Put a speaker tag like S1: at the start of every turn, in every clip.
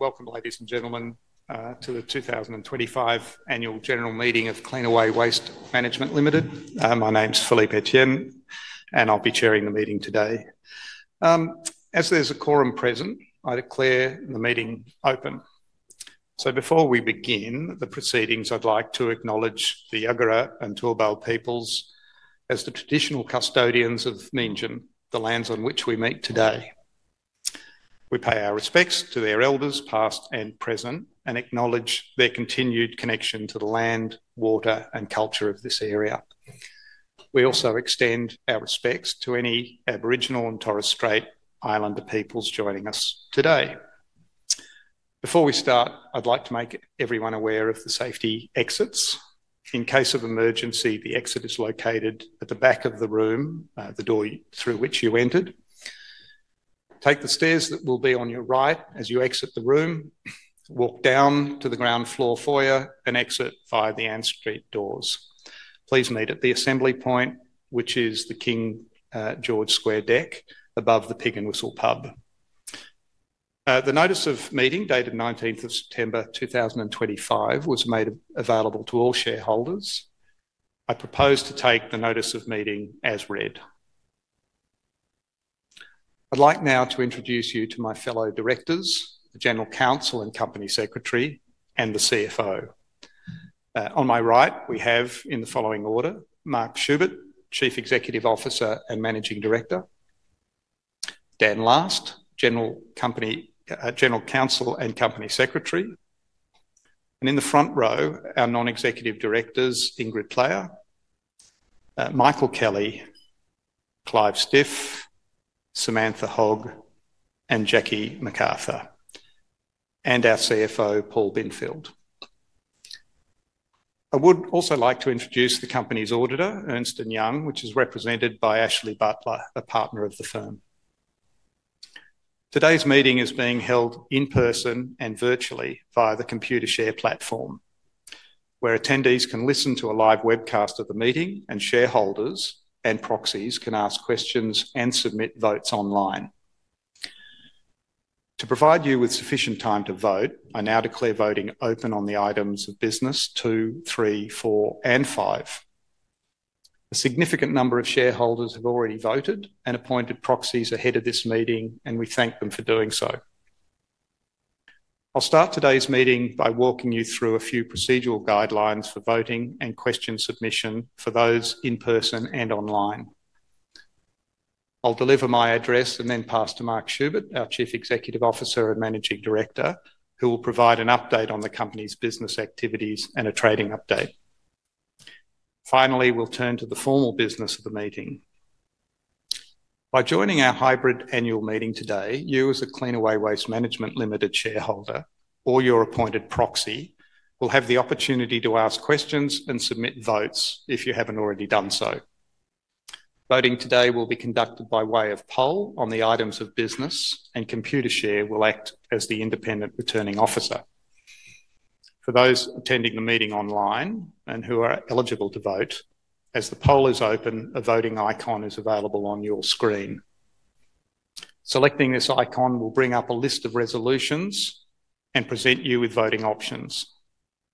S1: Welcome, ladies and gentlemen, to the 2025 Annual General Meeting of Cleanaway Waste Management Ltd. My name's Philippe Etienne, and I'll be chairing the meeting today. As there's a quorum present, I declare the meeting open. Before we begin the proceedings, I'd like to acknowledge the Jagera and Turrbal peoples as the traditional custodians of Meanjin, the lands on which we meet today. We pay our respects to their elders, past and present, and acknowledge their continued connection to the land, water, and culture of this area. We also extend our respects to any Aboriginal and Torres Strait Island people joining us today. Before we start, I'd like to make everyone aware of the safety exits. In case of emergency, the exit is located at the back of the room, the door through which you entered. Take the stairs that will be on your right as you exit the room, walk down to the ground floor foyer, and exit via the annexed street doors. Please meet at the assembly point, which is the King George Square deck above the Pig N Whistle Pub. The notice of meeting dated 19 September 2025 was made available to all shareholders. I propose to take the notice of meeting as read. I'd like now to introduce you to my fellow directors, the General Counsel and Company Secretary, and the CFO. On my right, we have, in the following order, Mark Schubert, Chief Executive Officer and Managing Director; Dan Last, General Counsel and Company Secretary; and in the front row, our Non-Executive Directors, Ingrid Player, Michael Kelly, Clive Stiff, Samantha Hogg, and Jackie McArthur, and our CFO, Paul Binfield. I would also like to introduce the company's auditor, Ernst & Young, which is represented by Ashley Butler, a partner of the firm. Today's meeting is being held in person and virtually via the Computershare platform, where attendees can listen to a live webcast of the meeting and shareholders and proxies can ask questions and submit votes online. To provide you with sufficient time to vote, I now declare voting open on the items of business 2, 3, 4, and 5. A significant number of shareholders have already voted and appointed proxies ahead of this meeting, and we thank them for doing so. I'll start today's meeting by walking you through a few procedural guidelines for voting and question submission for those in person and online. I'll deliver my address and then pass to Mark Schubert, our Chief Executive Officer and Managing Director, who will provide an update on the company's business activities and a trading update. Finally, we'll turn to the formal business of the meeting. By joining our hybrid annual meeting today, you, as a Cleanaway Waste Management Ltd shareholder or your appointed proxy, will have the opportunity to ask questions and submit votes if you haven't already done so. Voting today will be conducted by way of poll on the items of business, and Computershare will act as the independent returning officer. For those attending the meeting online and who are eligible to vote, as the poll is open, a voting icon is available on your screen. Selecting this icon will bring up a list of Resolutions and present you with voting options.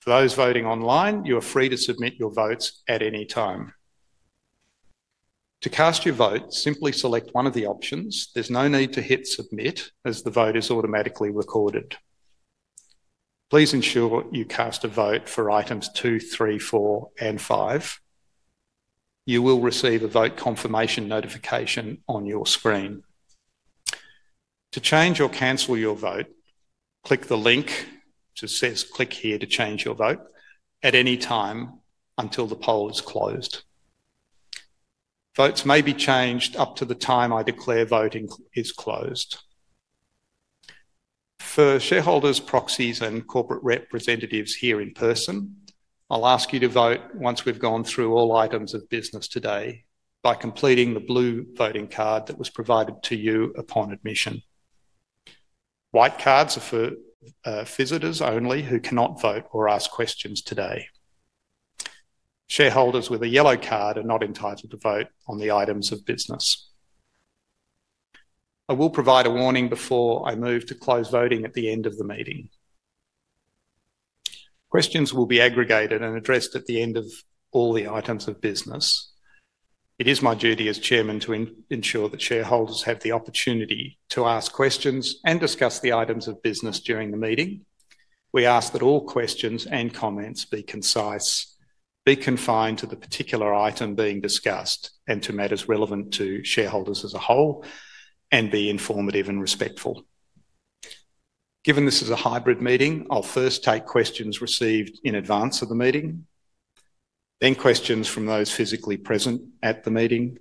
S1: For those voting online, you are free to submit your votes at any time. To cast your vote, simply select one of the options. There's no need to hit submit as the vote is automatically recorded. Please ensure you cast a vote for items 2, 3, 4, and 5. You will receive a vote confirmation notification on your screen. To change or cancel your vote, click the link that says, "Click here to change your vote" at any time until the poll is closed. Votes may be changed up to the time I declare voting is closed. For shareholders, proxies, and corporate representatives here in person, I'll ask you to vote once we've gone through all items of business today by completing the blue voting card that was provided to you upon admission. White cards are for visitors only who cannot vote or ask questions today. Shareholders with a yellow card are not entitled to vote on the items of business. I will provide a warning before I move to close voting at the end of the meeting. Questions will be aggregated and addressed at the end of all the items of business. It is my duty as Chairman to ensure that shareholders have the opportunity to ask questions and discuss the items of business during the meeting. We ask that all questions and comments be concise, be confined to the particular item being discussed, and to matters relevant to shareholders as a whole, and be informative and respectful. Given this is a hybrid meeting, I'll first take questions received in advance of the meeting, then questions from those physically present at the meeting,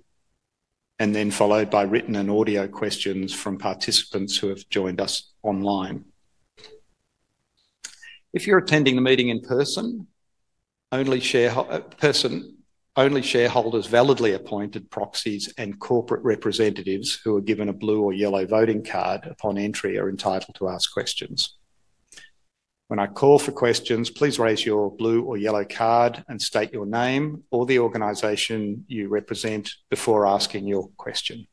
S1: and then followed by written and audio questions from participants who have joined us online. If you're attending the meeting in person, only shareholders, validly appointed proxies, and corporate representatives who are given a blue or yellow voting card upon entry are entitled to ask questions. When I call for questions, please raise your blue or yellow card and state your name or the organization you represent before asking your question.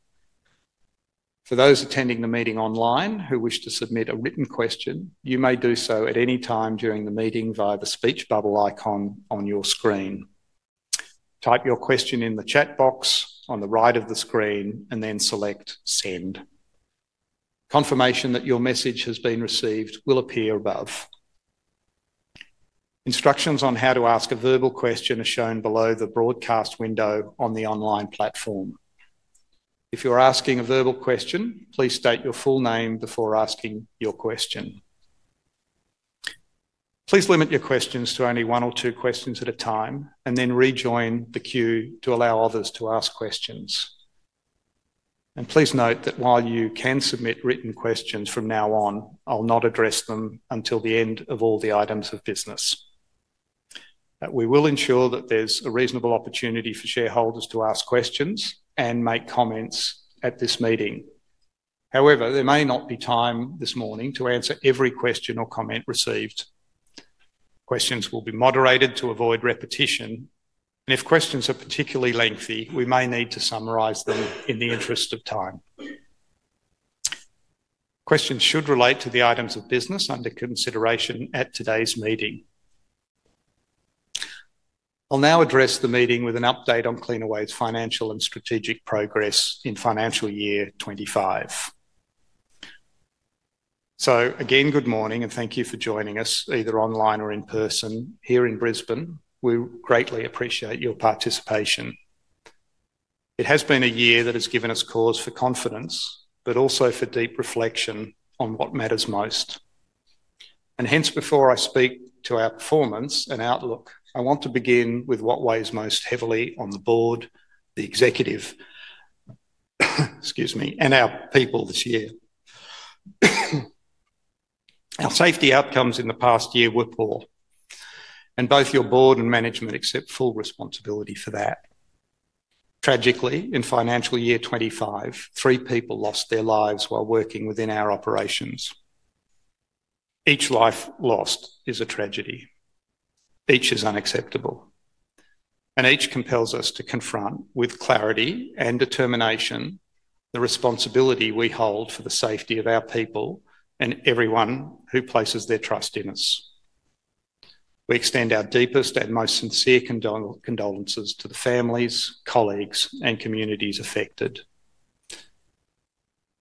S1: For those attending the meeting online who wish to submit a written question, you may do so at any time during the meeting via the speech bubble icon on your screen. Type your question in the chat box on the right of the screen and then select send. Confirmation that your message has been received will appear above. Instructions on how to ask a verbal question are shown below the broadcast window on the online platform. If you're asking a verbal question, please state your full name before asking your question. Please limit your questions to only one or two questions at a time and then rejoin the queue to allow others to ask questions. Please note that while you can submit written questions from now on, I'll not address them until the end of all the items of business. We will ensure that there's a reasonable opportunity for shareholders to ask questions and make comments at this meeting. However, there may not be time this morning to answer every question or comment received. Questions will be moderated to avoid repetition, and if questions are particularly lengthy, we may need to summarize them in the interest of time. Questions should relate to the items of business under consideration at today's meeting. I'll now address the meeting with an update on Cleanaway's financial and strategic progress in financial year 2025. Again, good morning and thank you for joining us, either online or in person here in Brisbane. We greatly appreciate your participation. It has been a year that has given us cause for confidence, but also for deep reflection on what matters most. Hence, before I speak to our performance and outlook, I want to begin with what weighs most heavily on the board, the executive, and our people this year. Our safety outcomes in the past year were poor, and both your board and management accept full responsibility for that. Tragically, in financial year 2025, three people lost their lives while working within our operations. Each life lost is a tragedy. Each is unacceptable, and each compels us to confront with clarity and determination the responsibility we hold for the safety of our people and everyone who places their trust in us. We extend our deepest and most sincere condolences to the families, colleagues, and communities affected.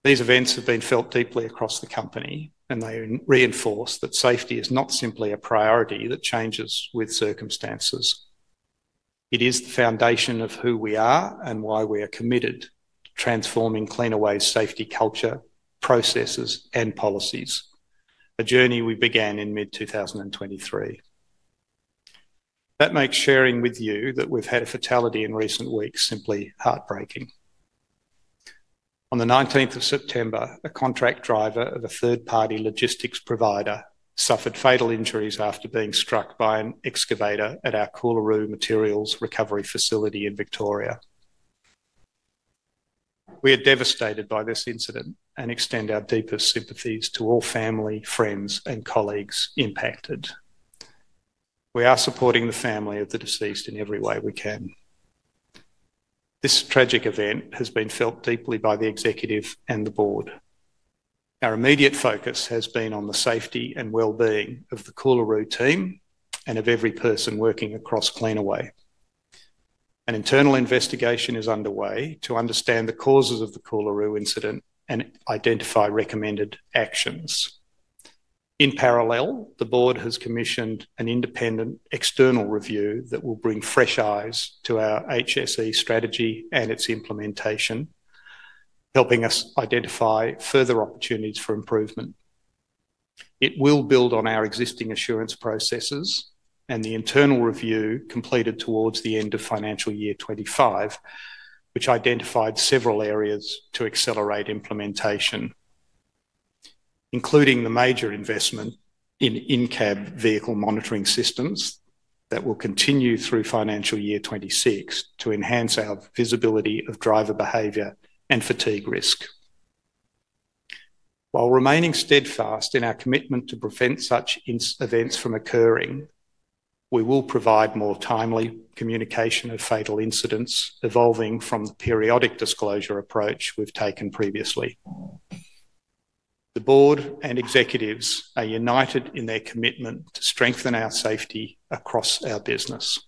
S1: These events have been felt deeply across the company, and they reinforce that safety is not simply a priority that changes with circumstances. It is the foundation of who we are and why we are committed to transforming Cleanaway's safety culture, processes, and policies, a journey we began in mid-2023. That makes sharing with you that we've had a fatality in recent weeks simply heartbreaking. On the 19th of September, a contract driver of a third-party logistics provider suffered fatal injuries after being struck by an excavator at our Coolaroo Materials Recovery Facility in Victoria. We are devastated by this incident and extend our deepest sympathies to all family, friends, and colleagues impacted. We are supporting the family of the deceased in every way we can. This tragic event has been felt deeply by the executive and the board. Our immediate focus has been on the safety and wellbeing of the Coolaroo team and of every person working across Cleanaway. An internal investigation is underway to understand the causes of the Coolaroo incident and identify recommended actions. In parallel, the board has commissioned an independent external review that will bring fresh eyes to our HSE strategy and its implementation, helping us identify further opportunities for improvement. It will build on our existing assurance processes and the internal review completed towards the end of financial year 2025, which identified several areas to accelerate implementation, including the major investment in in-cab vehicle monitoring systems that will continue through financial year 2026 to enhance our visibility of driver behavior and fatigue risk. While remaining steadfast in our commitment to prevent such events from occurring, we will provide more timely communication of fatal incidents, evolving from the periodic disclosure approach we've taken previously. The board and executives are united in their commitment to strengthen our safety across our business.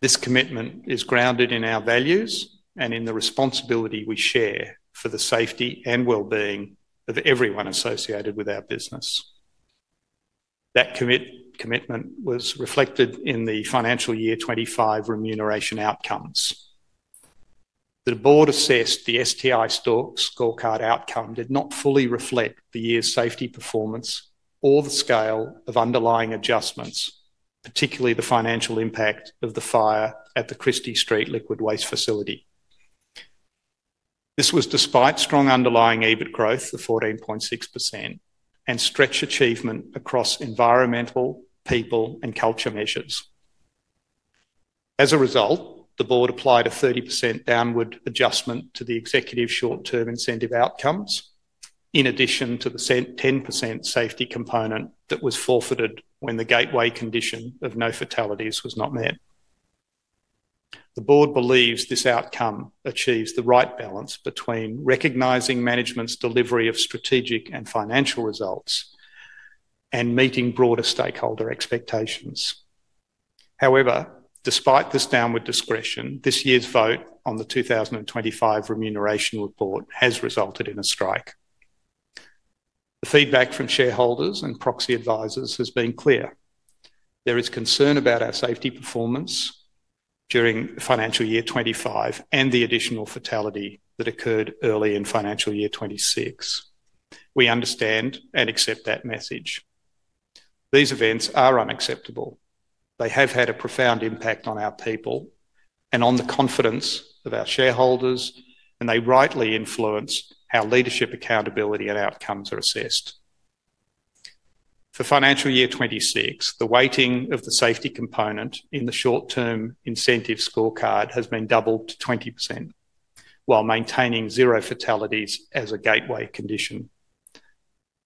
S1: This commitment is grounded in our values and in the responsibility we share for the safety and wellbeing of everyone associated with our business. That commitment was reflected in the financial year 2025 remuneration outcomes. The board assessed the STI scorecard outcome did not fully reflect the year's safety performance or the scale of underlying adjustments, particularly the financial impact of the fire at the Christie Street liquid waste facility. This was despite strong underlying EBIT growth of 14.6% and stretch achievement across environmental, people, and culture measures. As a result, the board applied a 30% downward adjustment to the executive short-term incentive outcomes, in addition to the 10% safety component that was forfeited when the gateway condition of no fatalities was not met. The board believes this outcome achieves the right balance between recognizing management's delivery of strategic and financial results and meeting broader stakeholder expectations. However, despite this downward discretion, this year's vote on the 2025 remuneration report has resulted in a strike. The feedback from shareholders and proxy advisors has been clear. There is concern about our safety performance during the financial year 2025 and the additional fatality that occurred early in financial year 2026. We understand and accept that message. These events are unacceptable. They have had a profound impact on our people and on the confidence of our shareholders, and they rightly influence how leadership accountability and outcomes are assessed. For financial year 2026, the weighting of the safety component in the short-term incentive scorecard has been doubled to 20%, while maintaining zero fatalities as a gateway condition.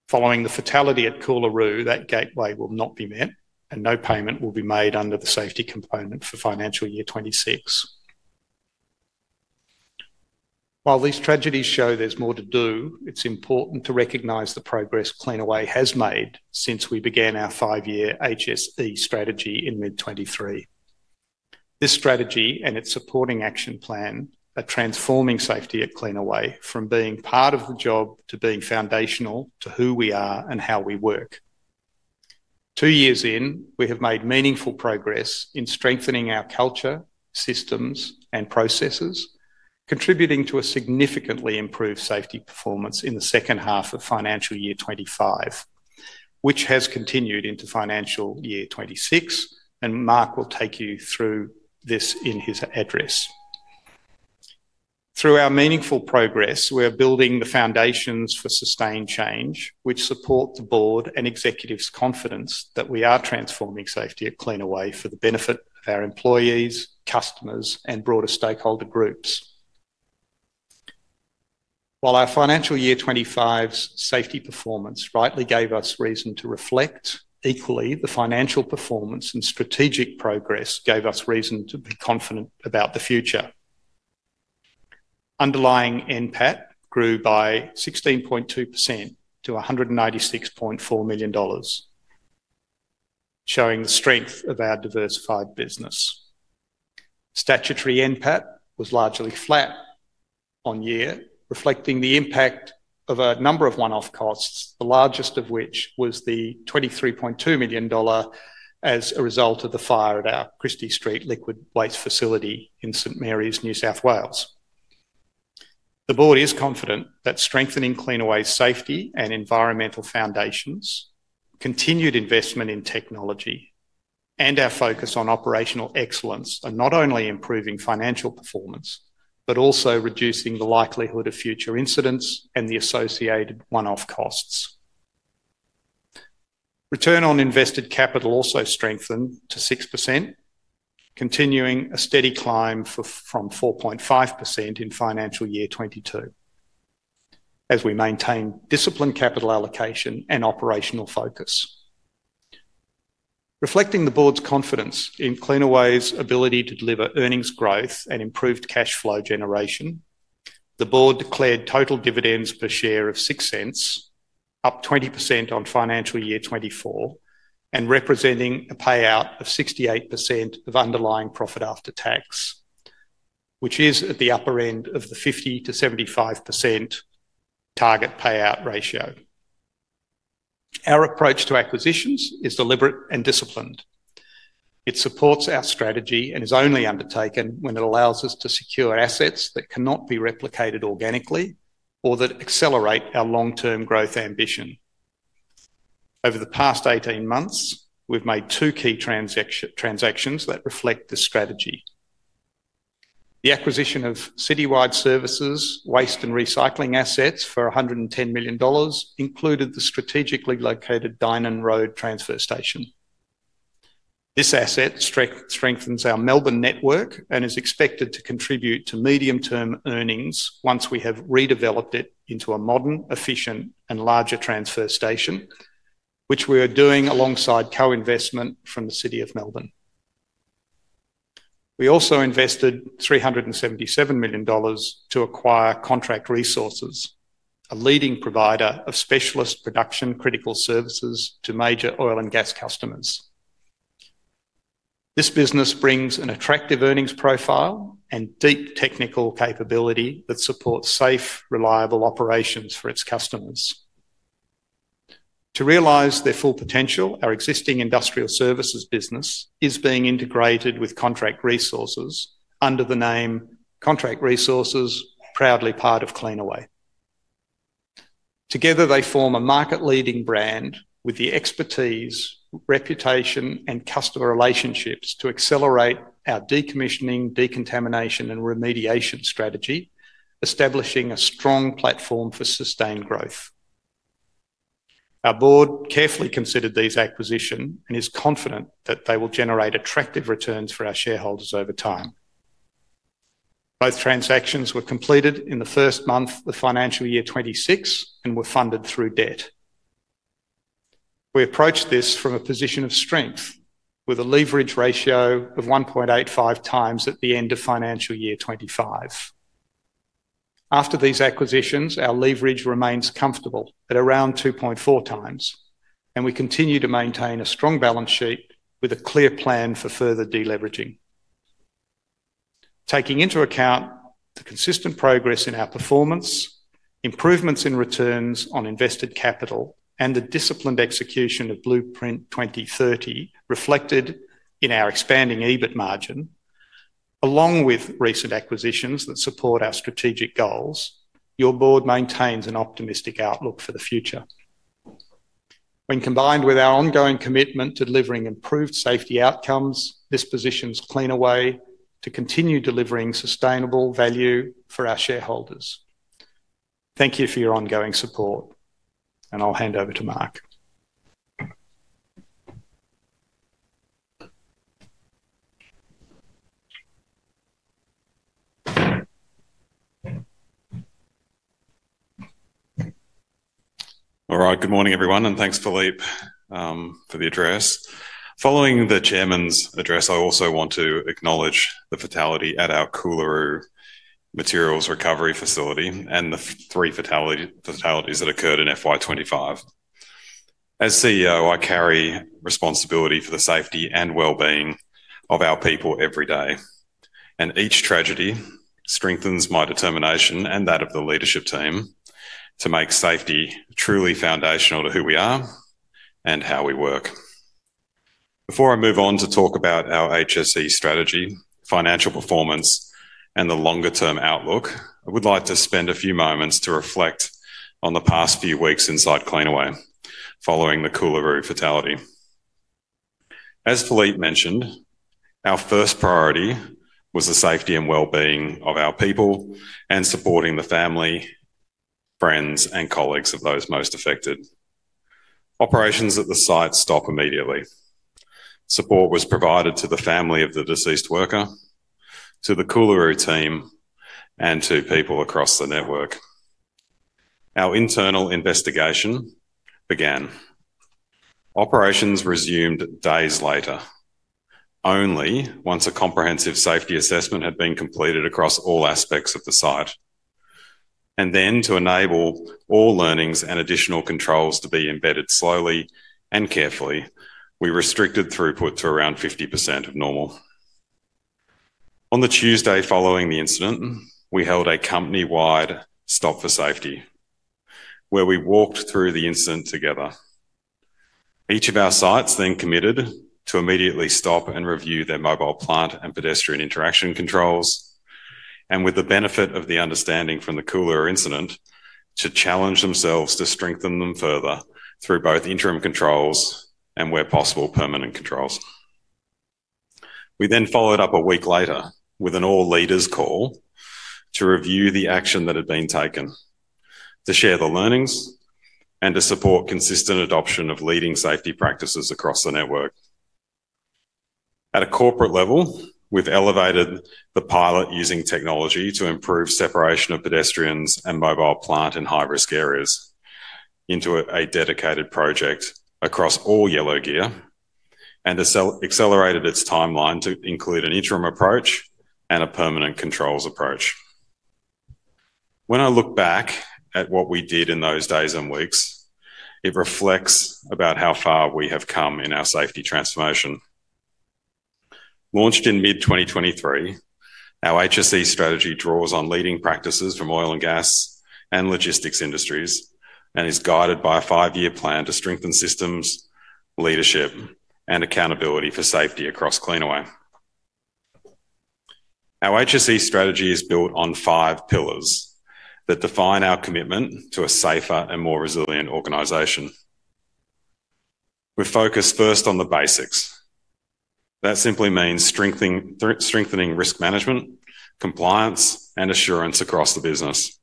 S1: Following the fatality at Coolaroo, that gateway will not be met, and no payment will be made under the safety component for financial year 2026. While these tragedies show there's more to do, it's important to recognize the progress Cleanaway has made since we began our five-year HSE strategy in mid-2023. This strategy and its supporting action plan are transforming safety at Cleanaway from being part of the job to being foundational to who we are and how we work. Two years in, we have made meaningful progress in strengthening our culture, systems, and processes, contributing to a significantly improved safety performance in the second half of financial year 2025, which has continued into financial year 2026, and Mark Schubert will take you through this in his address. Through our meaningful progress, we're building the foundations for sustained change, which support the Board and Executives' confidence that we are transforming safety at Cleanaway for the benefit of our employees, customers, and broader stakeholder groups. While our financial year 2025's safety performance rightly gave us reason to reflect, equally, the financial performance and strategic progress gave us reason to be confident about the future. Underlying NPAT grew by 16.2% to $196.4 million, showing the strength of our diversified business. Statutory NPAT was largely flat on year, reflecting the impact of a number of one-off costs, the largest of which was the $23.2 million as a result of the fire at our Christie Street liquid waste facility in St. Mary's, New South Wales. The Board is confident that strengthening Cleanaway's safety and environmental foundations, continued investment in technology, and our focus on operational excellence are not only improving financial performance but also reducing the likelihood of future incidents and the associated one-off costs. Return on invested capital also strengthened to 6%, continuing a steady climb from 4.5% in financial year 2022, as we maintain disciplined capital allocation and operational focus. Reflecting the Board's confidence in Cleanaway's ability to deliver earnings growth and improved cash flow generation, the Board declared total dividends per share of $0.06, up 20% on financial year 2024, and representing a payout of 68% of underlying profit after tax, which is at the upper end of the 50%-75% target payout ratio. Our approach to acquisitions is deliberate and disciplined. It supports our strategy and is only undertaken when it allows us to secure assets that cannot be replicated organically or that accelerate our long-term growth ambition. Over the past 18 months, we've made two key transactions that reflect this strategy. The acquisition of Citywide Services waste and recycling assets for $110 million included the strategically located Dynon Road transfer station. This asset strengthens our Melbourne network and is expected to contribute to medium-term earnings once we have redeveloped it into a modern, efficient, and larger transfer station, which we are doing alongside co-investment from the City of Melbourne. We also invested $377 million to acquire Contract Resources, a leading provider of specialist production critical services to major oil and gas customers. This business brings an attractive earnings profile and deep technical capability that supports safe, reliable operations for its customers. To realize their full potential, our existing industrial services business is being integrated with Contract Resources under the name Contract Resources, proudly part of Cleanaway. Together, they form a market-leading brand with the expertise, reputation, and customer relationships to accelerate our decommissioning, decontamination, and remediation strategy, establishing a strong platform for sustained growth. Our board carefully considered these acquisitions and is confident that they will generate attractive returns for our shareholders over time. Both transactions were completed in the first month of financial year 2026 and were funded through debt. We approached this from a position of strength with a leverage ratio of 1.85x at the end of financial year 2025. After these acquisitions, our leverage remains comfortable at around 2.4x, and we continue to maintain a strong balance sheet with a clear plan for further deleveraging. Taking into account the consistent progress in our performance, improvements in returns on invested capital, and the disciplined execution of Blueprint 2030 reflected in our expanding EBIT margin, along with recent acquisitions that support our strategic goals, your board maintains an optimistic outlook for the future. When combined with our ongoing commitment to delivering improved safety outcomes, this positions Cleanaway to continue delivering sustainable value for our shareholders. Thank you for your ongoing support, and I'll hand over to Mark.
S2: All right, good morning everyone, and thanks Philippe for the address. Following the Chairman's address, I also want to acknowledge the fatality at our Coolaroo Materials Recovery Facility and the three fatalities that occurred in FY 2025. As CEO, I carry responsibility for the safety and wellbeing of our people every day, and each tragedy strengthens my determination and that of the leadership team to make safety truly foundational to who we are and how we work. Before I move on to talk about our HSE strategy, financial performance, and the longer-term outlook, I would like to spend a few moments to reflect on the past few weeks inside Cleanaway following the Coolaroo fatality. As Philippe mentioned, our first priority was the safety and wellbeing of our people and supporting the family, friends, and colleagues of those most affected. Operations at the site stopped immediately. Support was provided to the family of the deceased worker, to the Coolaroo team, and to people across the network. Our internal investigation began. Operations resumed days later, only once a comprehensive safety assessment had been completed across all aspects of the site. To enable all learnings and additional controls to be embedded slowly and carefully, we restricted throughput to around 50% of normal. On the Tuesday following the incident, we held a company-wide stop for safety, where we walked through the incident together. Each of our sites then committed to immediately stop and review their mobile plant and pedestrian interaction controls, and with the benefit of the understanding from the Coolaroo incident, to challenge themselves to strengthen them further through both interim controls and, where possible, permanent controls. We then followed up a week later with an all-leaders call to review the action that had been taken, to share the learnings, and to support consistent adoption of leading safety practices across the network. At a corporate level, we've elevated the pilot using technology to improve separation of pedestrians and mobile plant in high-risk areas into a dedicated project across all yellow gear, and accelerated its timeline to include an interim approach and a permanent controls approach. When I look back at what we did in those days and weeks, it reflects about how far we have come in our safety transformation. Launched in mid-2023, our HSE strategy draws on leading practices from oil and gas and logistics industries and is guided by a five-year plan to strengthen systems, leadership, and accountability for safety across Cleanaway. Our HSE strategy is built on five pillars that define our commitment to a safer and more resilient organization. We focus first on the basics. That simply means strengthening risk management, compliance, and assurance across the business.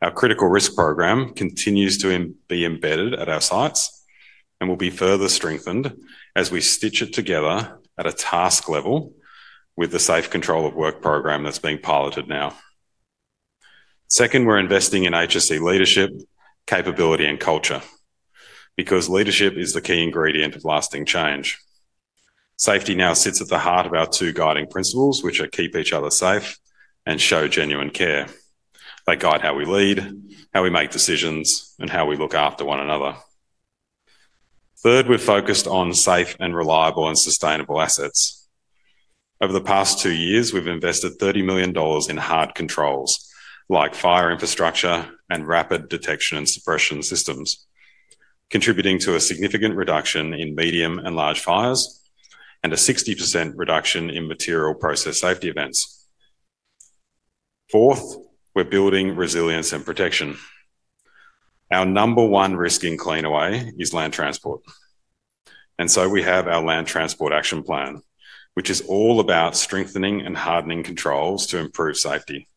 S2: Our critical risk program continues to be embedded at our sites and will be further strengthened as we stitch it together at a task level with the Safe Control of Work program that's being piloted now. Second, we're investing in HSE leadership, capability, and culture because leadership is the key ingredient of lasting change. Safety now sits at the heart of our two guiding principles, which are keep each other safe and show genuine care. They guide how we lead, how we make decisions, and how we look after one another. Third, we're focused on safe and reliable and sustainable assets. Over the past two years, we've invested $30 million in hard controls, like fire infrastructure and rapid detection and suppression systems, contributing to a significant reduction in medium and large fires and a 60% reduction in material process safety events. Fourth, we're building resilience and protection. Our number one risk in Cleanaway is land transport. We have our Land Transport Action Plan, which is all about strengthening and hardening controls to improve safety,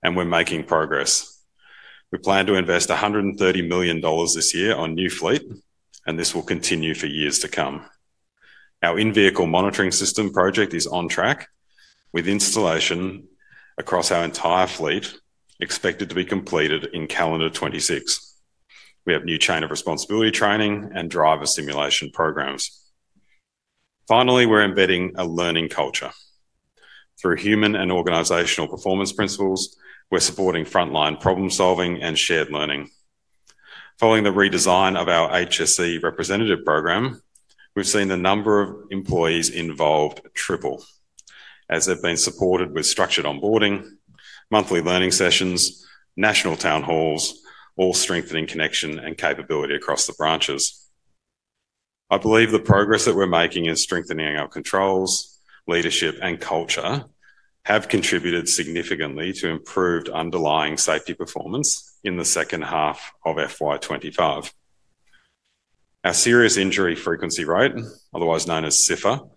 S2: and we're making progress. We plan to invest $130 million this year on new fleet, and this will continue for years to come. Our in-vehicle monitoring system project is on track with installation across our entire fleet, expected to be completed in calendar 2026. We have a new chain of responsibility training and driver simulation programs. Finally, we're embedding a learning culture. Through human and organizational performance principles, we're supporting frontline problem solving and shared learning. Following the redesign of our HSE representative program, we've seen the number of employees involved triple, as they've been supported with structured onboarding, monthly learning sessions, national town halls, all strengthening connection and capability across the branches. I believe the progress that we're making in strengthening our controls, leadership, and culture have contributed significantly to improved underlying safety performance in the second half of FY 2025. Our serious injury frequency rate, otherwise known as SIFR,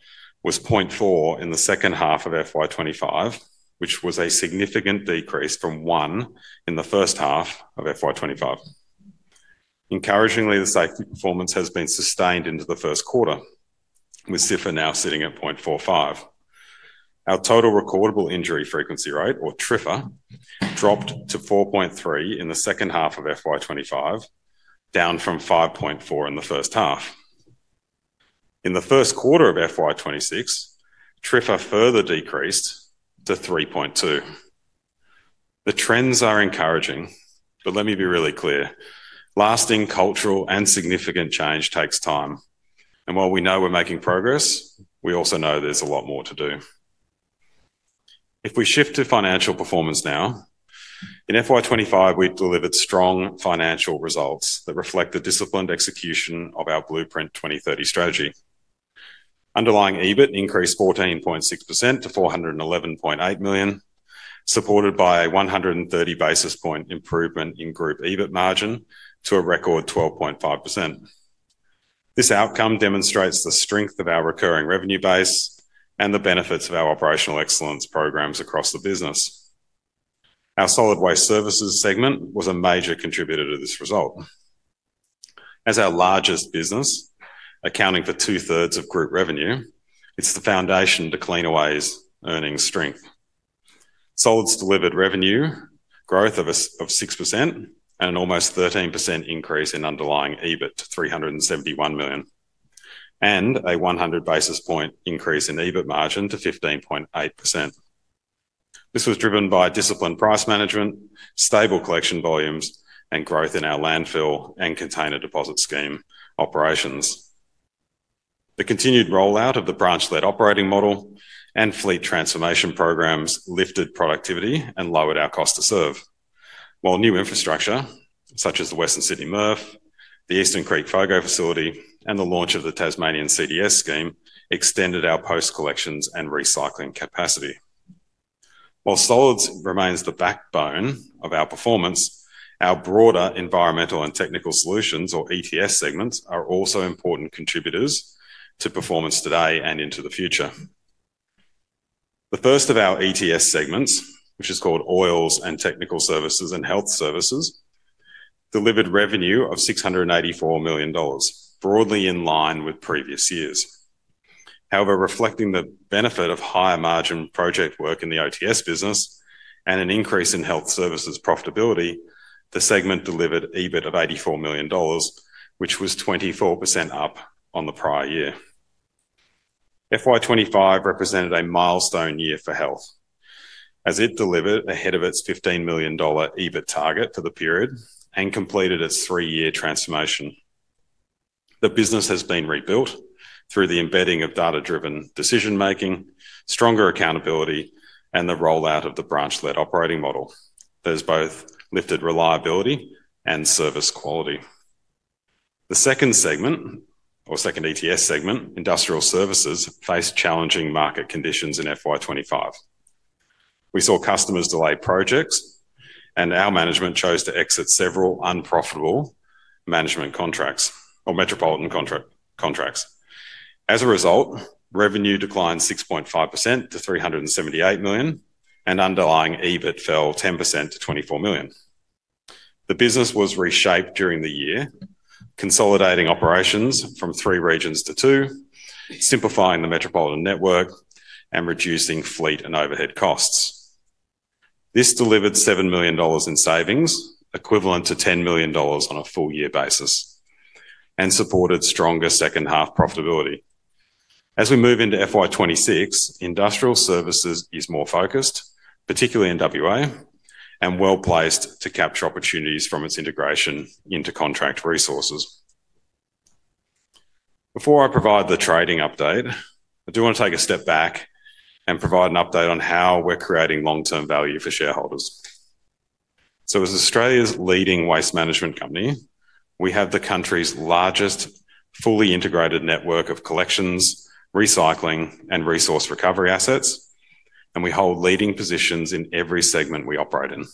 S2: was 0.4 in the second half of FY 2025, which was a significant decrease from 1 in the first half of FY 2025. Encouragingly, the safety performance has been sustained into the first quarter, with SIFR now sitting at 0.45. Our total recordable injury frequency rate, or TRIFR, dropped to 4.3 in the second half of FY 2025, down from 5.4 in the first half. In the first quarter of FY 2026, TRIFR further decreased to 3.2. The trends are encouraging, but let me be really clear, lasting cultural and significant change takes time. While we know we're making progress, we also know there's a lot more to do. If we shift to financial performance now, in FY 2025, we delivered strong financial results that reflect the disciplined execution of our Blueprint 2030 strategy. Underlying EBIT increased 14.6% to $411.8 million, supported by a 130 basis point improvement in group EBIT margin to a record 12.5%. This outcome demonstrates the strength of our recurring revenue base and the benefits of our operational excellence programs across the business. Our solid waste services segment was a major contributor to this result. As our largest business, accounting for two-thirds of group revenue, it's the foundation to Cleanaway's earnings strength. Solids delivered revenue growth of 6% and an almost 13% increase in underlying EBIT to $371 million, and a 100 basis point increase in EBIT margin to 15.8%. This was driven by disciplined price management, stable collection volumes, and growth in our landfill and container deposit scheme operations. The continued rollout of the branch-led operating model and fleet transformation programs lifted productivity and lowered our cost to serve, while new infrastructure, such as the Western Sydney MRF, the Eastern Creek FOGO facility, and the launch of the Tasmanian CDS scheme, extended our post-collections and recycling capacity. While Solids remains the backbone of our performance, our broader environmental and technical solutions, or ETS segments, are also important contributors to performance today and into the future. The first of our ETS segments, which is called Oils and Technical Services and Health Services, delivered revenue of $684 million, broadly in line with previous years. However, reflecting the benefit of higher margin project work in the OTS business and an increase in health services profitability, the segment delivered EBIT of $84 million, which was 24% up on the prior year. FY 2025 represented a milestone year for health, as it delivered ahead of its $15 million EBIT target for the period and completed its three-year transformation. The business has been rebuilt through the embedding of data-driven decision-making, stronger accountability, and the rollout of the branch-led operating model that has both lifted reliability and service quality. The second segment, or second ETS segment, industrial services, faced challenging market conditions in FY 2025. We saw customers delay projects, and our management chose to exit several unprofitable management contracts or metropolitan contracts. As a result, revenue declined 6.5% to $378 million, and underlying EBIT fell 10% to $24 million. The business was reshaped during the year, consolidating operations from three regions to two, simplifying the metropolitan network, and reducing fleet and overhead costs. This delivered $7 million in savings, equivalent to $10 million on a full-year basis, and supported stronger second-half profitability. As we move into FY 2026, industrial services is more focused, particularly in WA, and well-placed to capture opportunities from its integration into Contract Resources. Before I provide the trading update, I do want to take a step back and provide an update on how we're creating long-term value for shareholders. As Australia's leading waste management company, we have the country's largest fully integrated network of collections, recycling, and resource recovery assets, and we hold leading positions in every segment we operate in.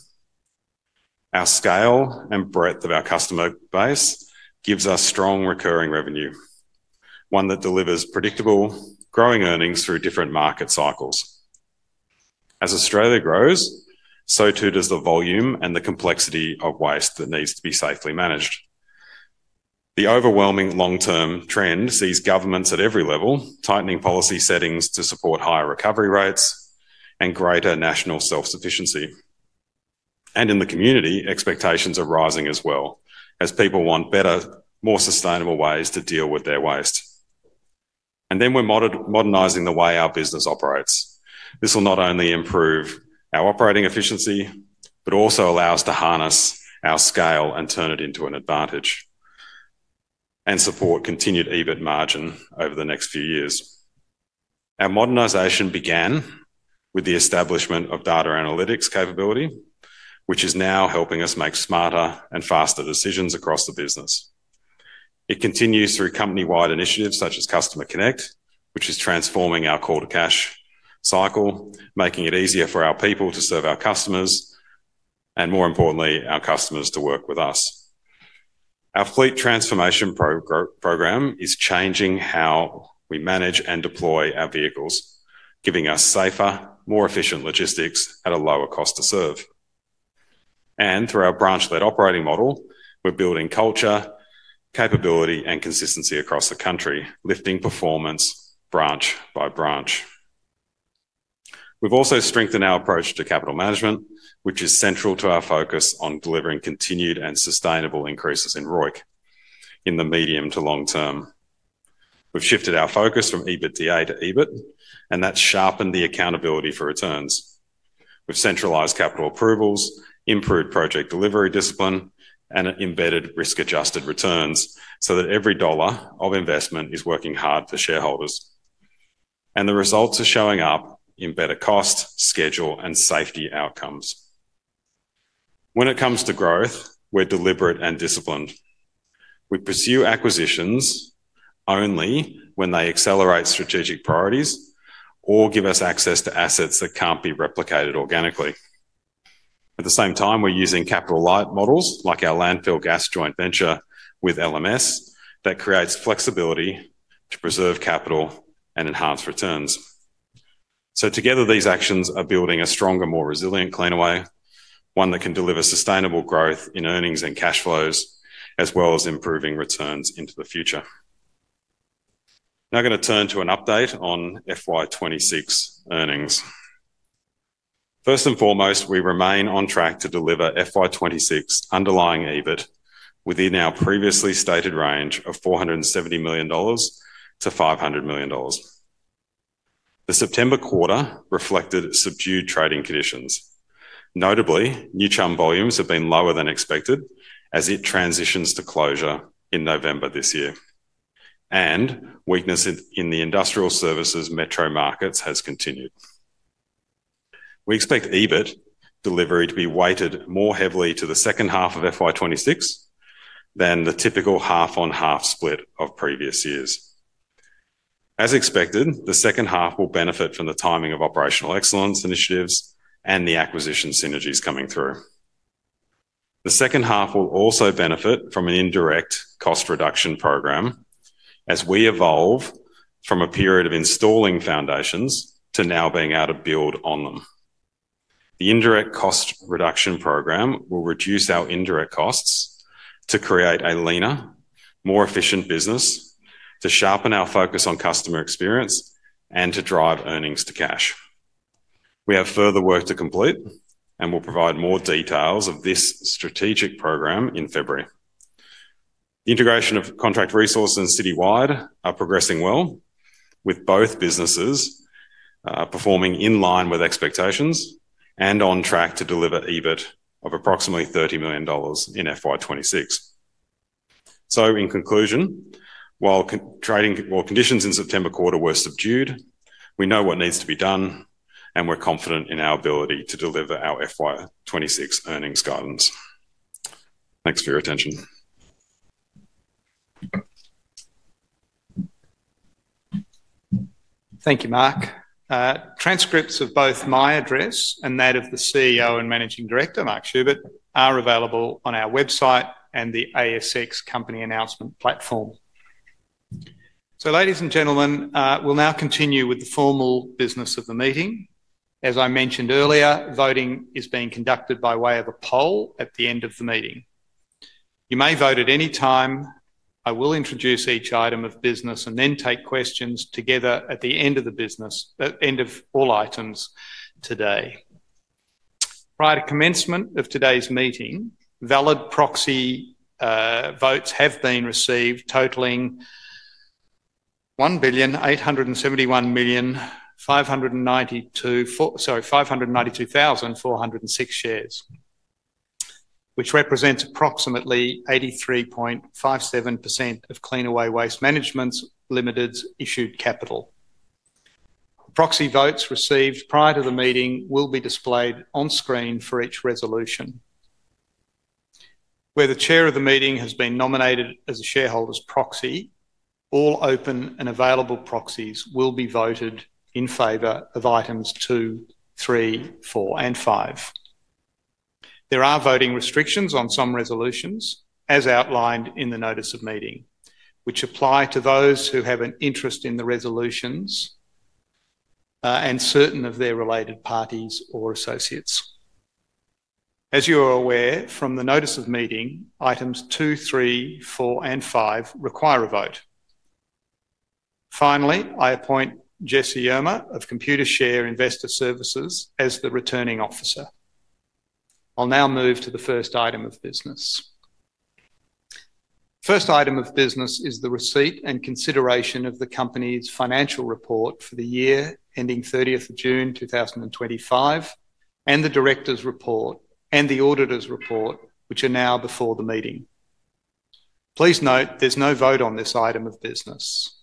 S2: Our scale and breadth of our customer base gives us strong recurring revenue, one that delivers predictable, growing earnings through different market cycles. As Australia grows, so too does the volume and the complexity of waste that needs to be safely managed. The overwhelming long-term trend sees governments at every level tightening policy settings to support higher recovery rates and greater national self-sufficiency. In the community, expectations are rising as well, as people want better, more sustainable ways to deal with their waste. We are modernizing the way our business operates. This will not only improve our operating efficiency, but also allow us to harness our scale and turn it into an advantage and support continued EBIT margin over the next few years. Our modernization began with the establishment of data analytics capability, which is now helping us make smarter and faster decisions across the business. It continues through company-wide initiatives such as CustomerConnect, which is transforming our call-to-cash cycle, making it easier for our people to serve our customers, and more importantly, our customers to work with us. Our fleet transformation program is changing how we manage and deploy our vehicles, giving us safer, more efficient logistics at a lower cost to serve. Through our branch-led operating model, we're building culture, capability, and consistency across the country, lifting performance branch by branch. We've also strengthened our approach to capital management, which is central to our focus on delivering continued and sustainable increases in ROIC in the medium to long term. We've shifted our focus from EBITDA to EBIT, and that's sharpened the accountability for returns. We've centralized capital approvals, improved project delivery discipline, and embedded risk-adjusted returns so that every dollar of investment is working hard for shareholders. The results are showing up in better cost, schedule, and safety outcomes. When it comes to growth, we're deliberate and disciplined. We pursue acquisitions only when they accelerate strategic priorities or give us access to assets that can't be replicated organically. At the same time, we're using capital light models like our landfill gas joint venture with LMS that creates flexibility to preserve capital and enhance returns. Together, these actions are building a stronger, more resilient Cleanaway, one that can deliver sustainable growth in earnings and cash flows, as well as improving returns into the future. Now I'm going to turn to an update on FY 2026 earnings. First and foremost, we remain on track to deliver FY 2026 underlying EBIT within our previously stated range of $470 million-$500 million. The September quarter reflected subdued trading conditions. Notably, new churn volumes have been lower than expected as it transitions to closure in November this year, and weakness in the industrial services metro markets has continued. We expect EBIT delivery to be weighted more heavily to the second half of FY 2026 than the typical half-on-half split of previous years. As expected, the second half will benefit from the timing of operational excellence initiatives and the acquisition synergies coming through. The second half will also benefit from an indirect cost reduction program as we evolve from a period of installing foundations to now being able to build on them. The indirect cost reduction program will reduce our indirect costs to create a leaner, more efficient business, to sharpen our focus on customer experience, and to drive earnings to cash. We have further work to complete and will provide more details of this strategic program in February. The integration of Contract Resources and Citywide is progressing well, with both businesses performing in line with expectations and on track to deliver EBIT of approximately $30 million in FY 2026. In conclusion, while trading conditions in the September quarter were subdued, we know what needs to be done, and we're confident in our ability to deliver our FY 2026 earnings guidance. Thanks for your attention.
S1: Thank you, Mark. Transcripts of both my address and that of the CEO and Managing Director, Mark Schubert, are available on our website and the ASX company announcement platform. Ladies and gentlemen, we'll now continue with the formal business of the meeting. As I mentioned earlier, voting is being conducted by way of a poll at the end of the meeting. You may vote at any time. I will introduce each item of business and then take questions together at the end of the business, at the end of all items today. Prior to commencement of today's meeting, valid proxy votes have been received, totaling 1,871,592,406 shares, which represents approximately 83.57% of Cleanaway Waste Management Ltd's issued capital. Proxy votes received prior to the meeting will be displayed on screen for each resolution. Where the Chair of the meeting has been nominated as a shareholder's proxy, all open and available proxies will be voted in favor of items two, three, four, and five. There are voting restrictions on some resolutions, as outlined in the notice of meeting, which apply to those who have an interest in the resolutions and certain of their related parties or associates. As you are aware from the notice of meeting, items two, three, four, and five require a vote. Finally, I appoint Jessie Yerma of Computershare Investor Services as the returning officer. I'll now move to the first item of business. The first item of business is the receipt and consideration of the company's financial report for the year ending 30th June 2025, and the Directors' Report and the Auditor's Report, which are now before the meeting. Please note there's no vote on this item of business.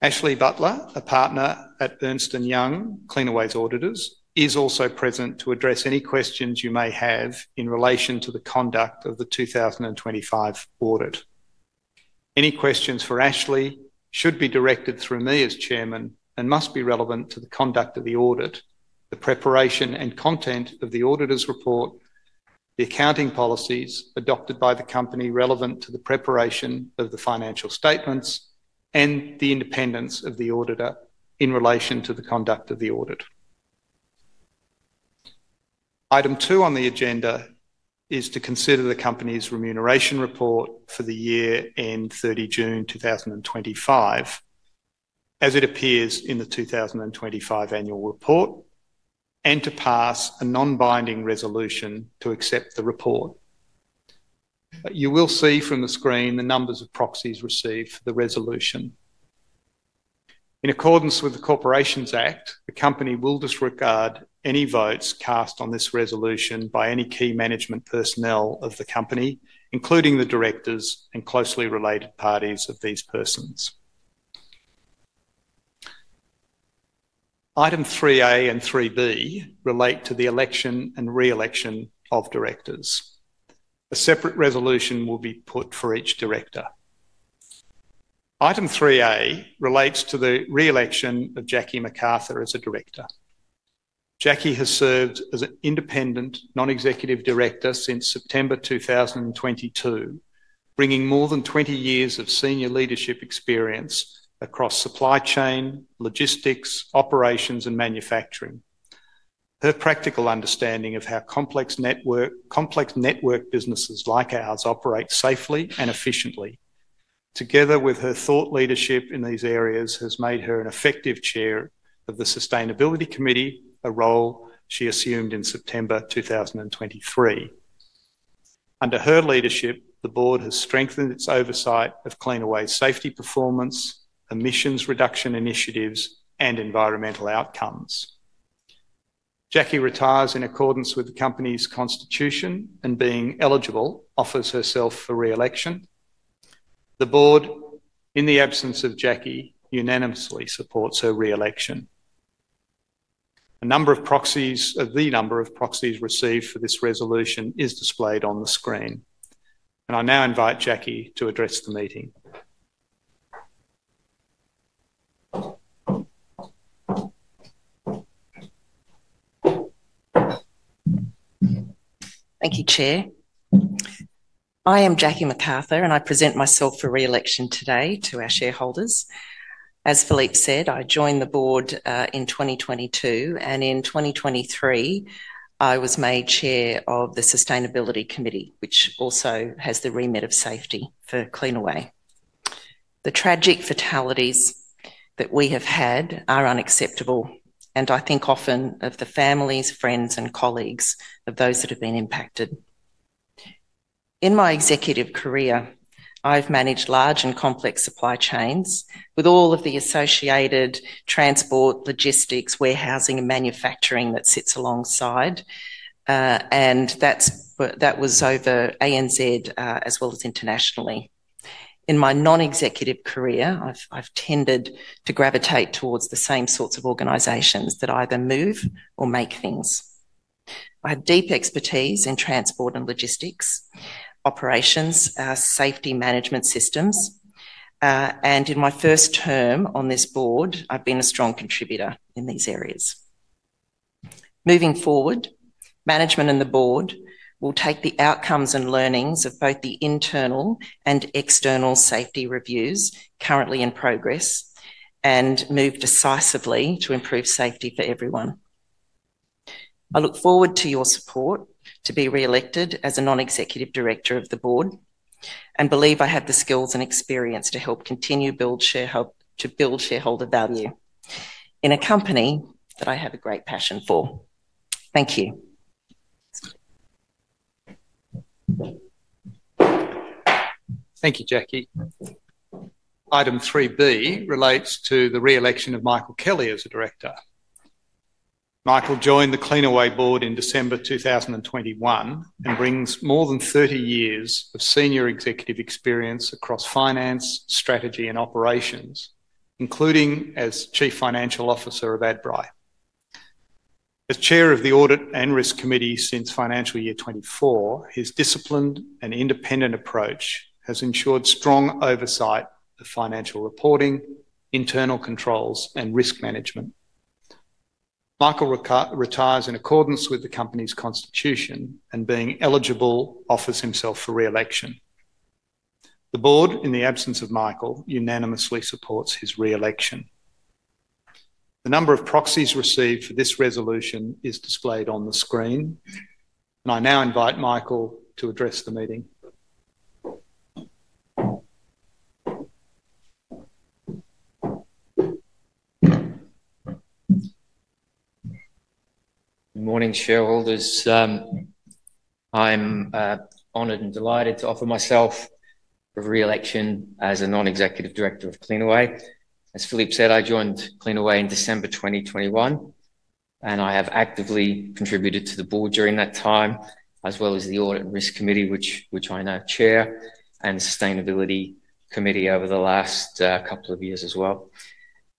S1: Ashley Butler, a partner at Ernst & Young, Cleanaway's auditors, is also present to address any questions you may have in relation to the conduct of the 2025 audit. Any questions for Ashley should be directed through me as Chairman and must be relevant to the conduct of the audit, the preparation and content of the Auditor's Report, the accounting policies adopted by the company relevant to the preparation of the financial statements, and the independence of the auditor in relation to the conduct of the audit. Item two on the agenda is to consider the company's Remuneration Report for the year end 30 June 2025, as it appears in the 2025 Annual Report, and to pass a non-binding resolution to accept the report. You will see from the screen the numbers of proxies received for the resolution. In accordance with the Corporations Act, the company will disregard any votes cast on this resolution by any key management personnel of the company, including the directors and closely related parties of these persons. Item 3A and 3B relate to the election and re-election of directors. A separate resolution will be put for each director. Item 3A relates to the re-election of Jackie McArthur as a director. Jackie has served as an independent non-executive director since September 2022, bringing more than 20 years of senior leadership experience across supply chain, logistics, operations, and manufacturing. Her practical understanding of how complex network businesses like ours operate safely and efficiently, together with her thought leadership in these areas, has made her an effective Chair of the Sustainability Committee, a role she assumed in September 2023. Under her leadership, the Board has strengthened its oversight of Cleanaway's safety performance, emissions reduction initiatives, and environmental outcomes. Jackie retires in accordance with the company's constitution and, being eligible, offers herself for re-election. The Board, in the absence of Jackie, unanimously supports her re-election. A number of proxies, the number of proxies received for this resolution, is displayed on the screen. I now invite Jackie to address the meeting.
S3: Thank you, Chair. I am Jackie McArthur, and I present myself for re-election today to our shareholders. As Philippe said, I joined the board in 2022, and in 2023, I was made Chair of the Sustainability Committee, which also has the remit of safety for Cleanaway. The tragic fatalities that we have had are unacceptable, and I think often of the families, friends, and colleagues of those that have been impacted. In my executive career, I've managed large and complex supply chains with all of the associated transport, logistics, warehousing, and manufacturing that sits alongside, and that was over ANZ as well as internationally. In my non-executive career, I've tended to gravitate towards the same sorts of organizations that either move or make things. I have deep expertise in transport and logistics, operations, safety management systems, and in my first term on this board, I've been a strong contributor in these areas. Moving forward, management and the board will take the outcomes and learnings of both the internal and external safety reviews currently in progress and move decisively to improve safety for everyone. I look forward to your support to be re-elected as a Non-Executive Director of the board and believe I have the skills and experience to help continue to build shareholder value in a company that I have a great passion for. Thank you.
S1: Thank you, Jackie. Item 3B relates to the re-election of Michael Kelly as a Director. Michael joined the Cleanaway board in December 2021 and brings more than 30 years of Senior Executive experience across Finance, Strategy, and Operations, including as Chief Financial Officer of Albright. As Chair of the Audit and Risk Committee since financial year 2024, his disciplined and independent approach has ensured strong oversight of financial reporting, internal controls, and risk management. Michael retires in accordance with the company's constitution and, being eligible, offers himself for re-election. The board, in the absence of Michael, unanimously supports his re-election. The number of proxies received for this resolution is displayed on the screen, and I now invite Michael to address the meeting.
S4: Good morning, shareholders. I'm honored and delighted to offer myself for re-election as a Non-Executive Director of Cleanaway. As Philippe said, I joined Cleanaway in December 2021, and I have actively contributed to the board during that time, as well as the Audit and Risk Committee, which I now chair, and the Sustainability Committee over the last couple of years as well.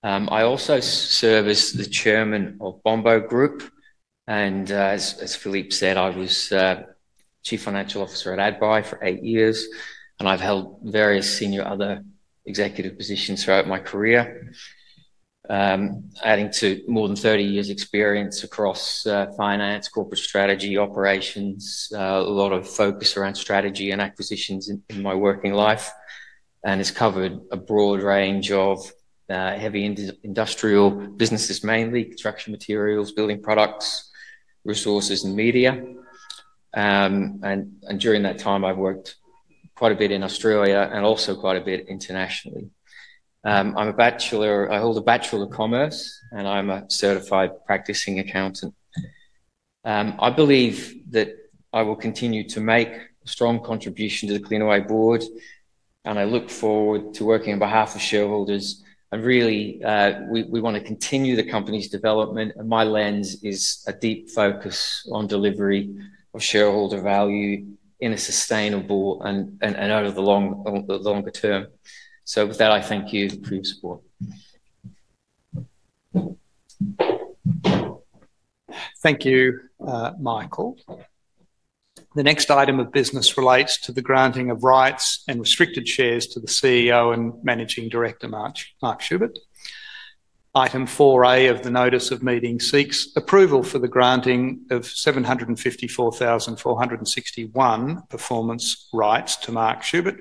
S4: I also serve as the Chairman of Bombo Group, and as Philippe said, I was Chief Financial Officer at Albright for eight years, and I've held various other senior executive positions throughout my career, adding to more than 30 years' experience across finance, corporate strategy, operations, a lot of focus around strategy and acquisitions in my working life, and have covered a broad range of heavy industrial businesses, mainly construction materials, building products, resources, and media. During that time, I've worked quite a bit in Australia and also quite a bit internationally. I hold a Bachelor of Commerce, and I'm a Certified Practicing Accountant. I believe that I will continue to make a strong contribution to the Cleanaway board, and I look forward to working on behalf of shareholders. We want to continue the company's development, and my lens is a deep focus on delivery of shareholder value in a sustainable and over the longer term. I thank you for your support.
S1: Thank you, Michael. The next item of business relates to the granting of rights and restricted shares to the CEO and Managing Director, Mark Schubert. Item 4(a) of the notice of meeting seeks approval for the granting of 754,461 performance rights to Mark Schubert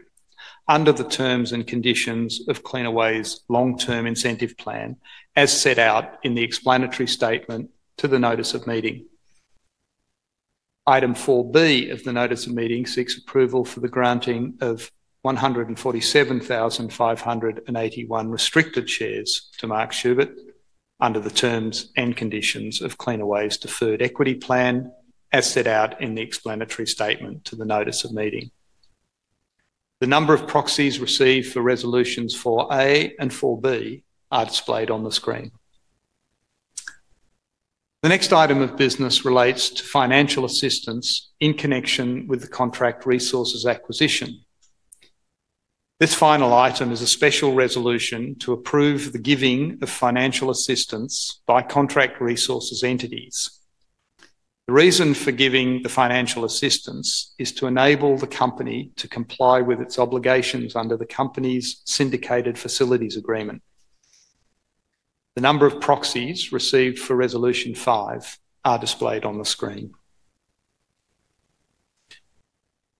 S1: under the terms and conditions of Cleanaway's long-term incentive plan, as set out in the explanatory statement to the notice of meeting. Item 4(b) of the notice of meeting seeks approval for the granting of 147,581 restricted shares to Mark Schubert under the terms and conditions of Cleanaway's deferred equity plan, as set out in the explanatory statement to the notice of meeting. The number of proxies received for Resolutions 4(a) and 4(b) are displayed on the screen. The next item of business relates to financial assistance in connection with the Contract Resources acquisition. This final item is a special resolution to approve the giving of financial assistance by Contract Resources entities. The reason for giving the financial assistance is to enable the company to comply with its obligations under the company's syndicated facilities agreement. The number of proxies received for Resolution 5 are displayed on the screen.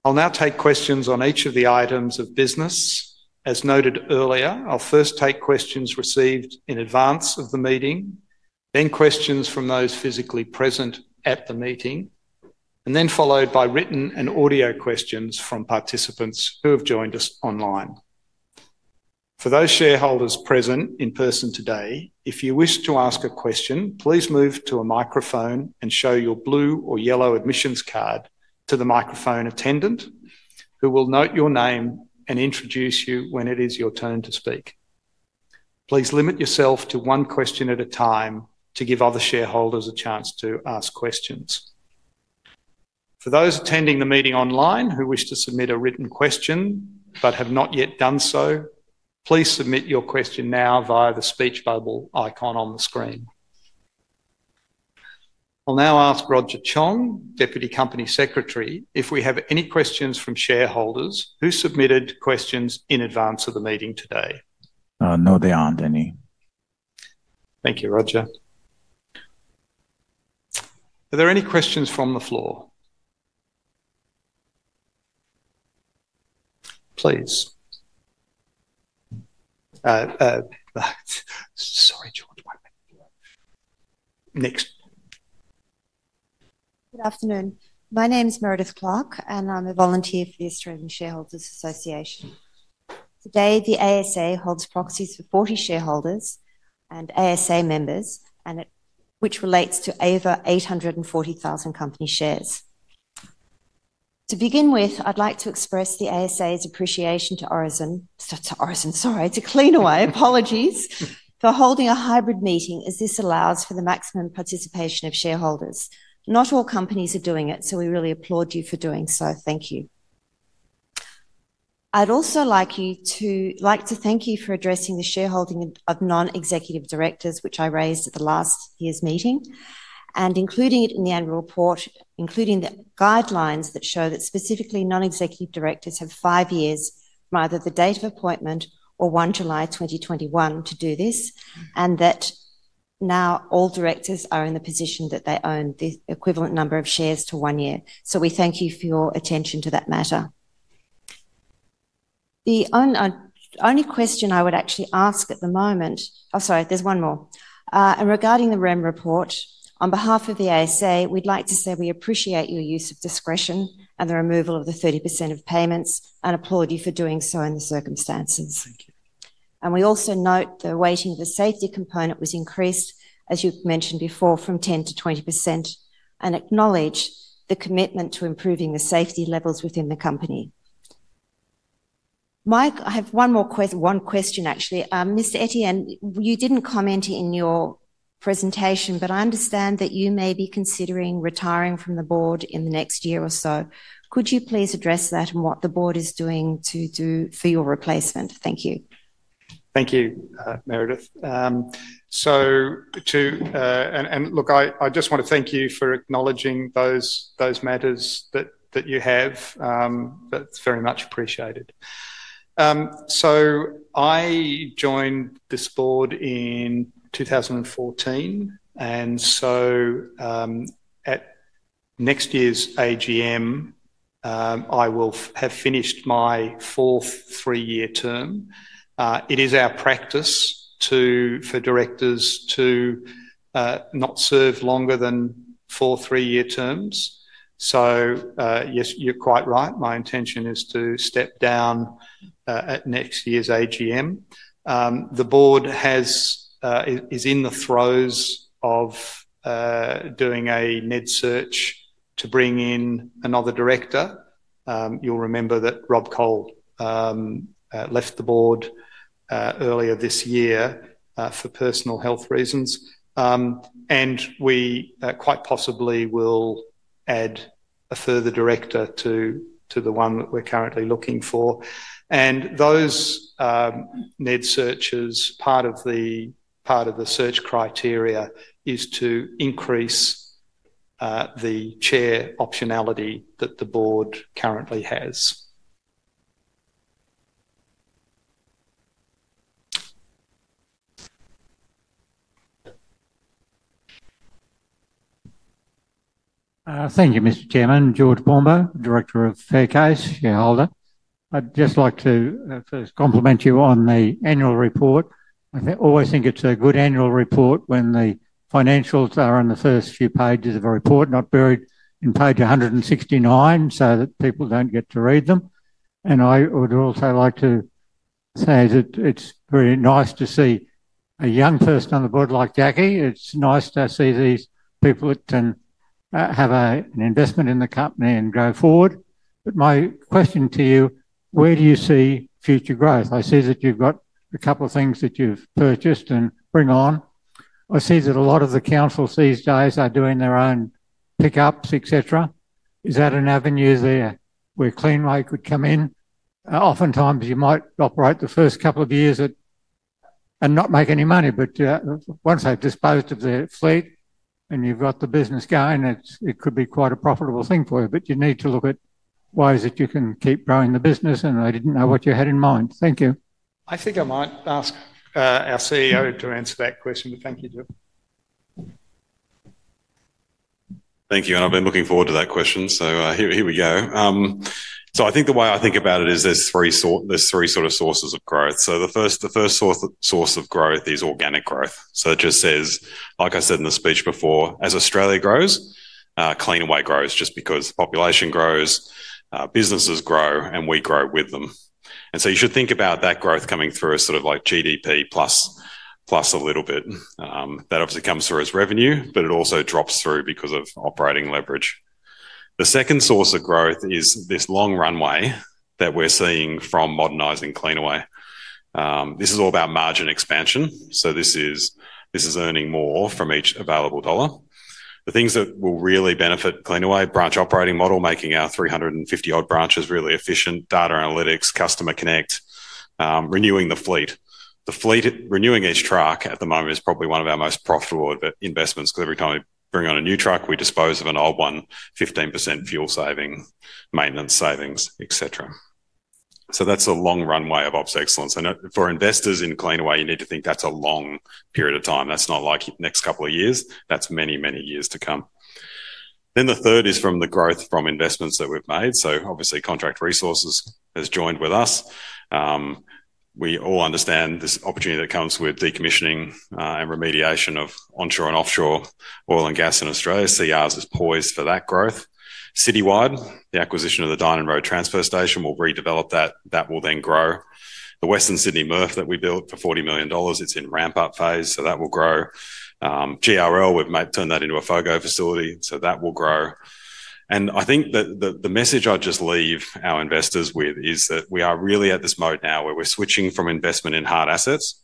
S1: I'll now take questions on each of the items of business. As noted earlier, I'll first take questions received in advance of the meeting, then questions from those physically present at the meeting, and then followed by written and audio questions from participants who have joined us online. For those shareholders present in person today, if you wish to ask a question, please move to a microphone and show your blue or yellow admissions card to the microphone attendant, who will note your name and introduce you when it is your turn to speak. Please limit yourself to one question at a time to give other shareholders a chance to ask questions. For those attending the meeting online who wish to submit a written question but have not yet done so, please submit your question now via the speech bubble icon on the screen. I'll now ask Roger Chong, Deputy Company Secretary, if we have any questions from shareholders who submitted questions in advance of the meeting today.
S5: No, there aren't any.
S1: Thank you, Roger. Are there any questions from the floor? Please.
S6: Good afternoon. My name is Meredith Clark, and I'm a volunteer for the Australian Shareholders Association. Today, the ASA holds proxies for 40 shareholders and ASA members, which relates to over 840,000 company shares. To begin with, I'd like to express the ASA's appreciation to Cleanaway, apologies, for holding a hybrid meeting as this allows for the maximum participation of shareholders. Not all companies are doing it, so we really applaud you for doing so. Thank you. I'd also like to thank you for addressing the shareholding of non-executive directors, which I raised at last year's meeting, and including it in the annual report, including the guidelines that show that specifically non-executive directors have five years, rather the date of appointment or 1 July 2021, to do this, and that now all directors are in the position that they own the equivalent number of shares to one year. We thank you for your attention to that matter. The only question I would actually ask at the moment, oh, sorry, there's one more. Regarding the REM report, on behalf of the ASA, we'd like to say we appreciate your use of discretion and the removal of the 30% of payments and applaud you for doing so in the circumstances. We also note the weighting of the safety component was increased, as you mentioned before, from 10%-20%, and acknowledge the commitment to improving the safety levels within the company. Mike, I have one more question, one question actually. Mr. Etienne, you didn't comment in your presentation, but I understand that you may be considering retiring from the board in the next year or so. Could you please address that and what the board is doing to do for your replacement? Thank you.
S1: Thank you, Meredith. I just want to thank you for acknowledging those matters that you have. That's very much appreciated. I joined this board in 2014, and at next year's AGM, I will have finished my fourth three-year term. It is our practice for directors to not serve longer than four three-year terms. Yes, you're quite right. My intention is to step down at next year's AGM. The board is in the throes of doing a med search to bring in another director. You'll remember that Rob Cole left the board earlier this year for personal health reasons, and we quite possibly will add a further director to the one that we're currently looking for. Those med searches, part of the search criteria is to increase the chair optionality that the board currently has.
S7: Thank you, Mr. Chairman. George Bombo, Director of Faircase, Shareholder. I'd just like to first compliment you on the annual report. I always think it's a good annual report when the financials are on the first few pages of a report, not buried in page 169, so that people don't get to read them. I would also like to say that it's very nice to see a young person on the board like Jackie. It's nice to see these people that can have an investment in the company and go forward. My question to you, where do you see future growth? I see that you've got a couple of things that you've purchased and bring on. I see that a lot of the councils these days are doing their own pickups, etc. Is that an avenue where Cleanaway could come in? Oftentimes, you might operate the first couple of years and not make any money, but once they've disposed of their fleet and you've got the business going, it could be quite a profitable thing for you. You need to look at ways that you can keep growing the business, and I didn't know what you had in mind. Thank you.
S1: I think I might ask our CEO to answer that question, but thank you, Joe.
S2: Thank you, and I've been looking forward to that question. Here we go. I think the way I think about it is there's three sort of sources of growth. The first source of growth is organic growth. Like I said in the speech before, as Australia grows, Cleanaway grows just because the population grows, businesses grow, and we grow with them. You should think about that growth coming through as sort of like GDP plus a little bit. That obviously comes through as revenue, but it also drops through because of operating leverage. The second source of growth is this long runway that we're seeing from modernizing Cleanaway. This is all about margin expansion. This is earning more from each available dollar. The things that will really benefit Cleanaway: branch operating model, making our 350-odd branches really efficient, data analytics, CustomerConnect, renewing the fleet. The fleet, renewing each truck at the moment, is probably one of our most profitable investments because every time we bring on a new truck, we dispose of an old one, 15% fuel saving, maintenance savings, et cetera. That's a long runway of operational excellence. For investors in Cleanaway, you need to think that's a long period of time. That's not like next couple of years. That's many, many years to come. The third is from the growth from investments that we've made. Obviously, Contract Resources has joined with us. We all understand this opportunity that comes with decommissioning and remediation of onshore and offshore oil and gas in Australia. Contract Resources is poised for that growth. Citywide, the acquisition of the Dynon Road transfer station, will redevelop that. That will then grow. The Western Sydney MRF that we built for $40 million, it's in ramp-up phase, so that will grow. GRL, we've turned that into a FOGO facility, so that will grow. I think that the message I'd just leave our investors with is that we are really at this mode now where we're switching from investment in hard assets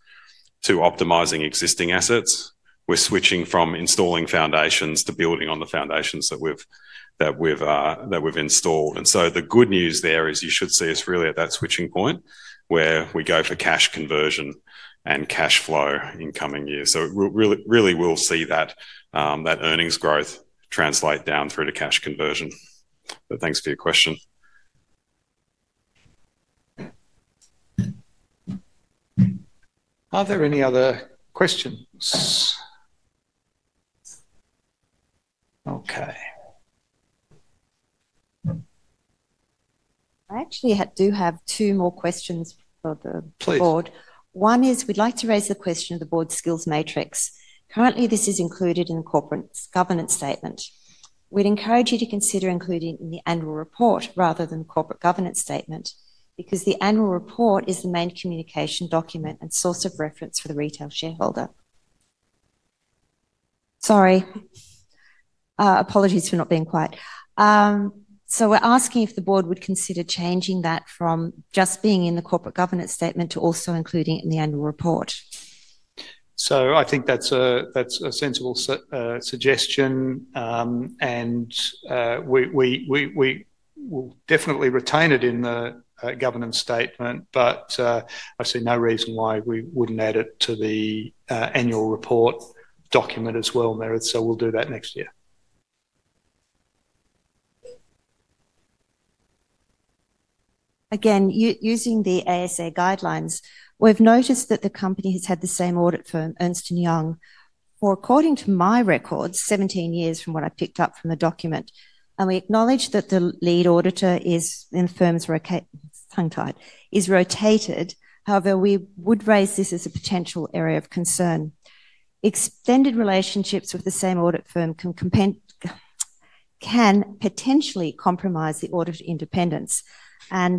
S2: to optimizing existing assets. We're switching from installing foundations to building on the foundations that we've installed. The good news there is you should see us really at that switching point where we go for cash conversion and cash flow in coming years. We will see that earnings growth translate down through to cash conversion. Thanks for your question.
S1: Are there any other questions? Okay.
S6: I actually do have two more questions for the Board.
S1: Please.
S6: One is we'd like to raise the question of the board's skills matrix. Currently, this is included in the corporate governance statement. We'd encourage you to consider including it in the annual report rather than the corporate governance statement, because the annual report is the main communication document and source of reference for the retail shareholder. Apologies for not being quite clear. We're asking if the board would consider changing that from just being in the corporate governance statement to also including it in the annual report.
S1: I think that's a sensible suggestion, and we will definitely retain it in the governance statement. I see no reason why we wouldn't add it to the annual report document as well, Meredith. We'll do that next year.
S6: Again, using the ASA guidelines, we've noticed that the company has had the same audit firm, Ernst & Young, for, according to my records, 17 years from what I picked up from the document. We acknowledge that the lead auditor is, and the firm is, rotated. However, we would raise this as a potential area of concern. Extended relationships with the same audit firm can potentially compromise the audit independence.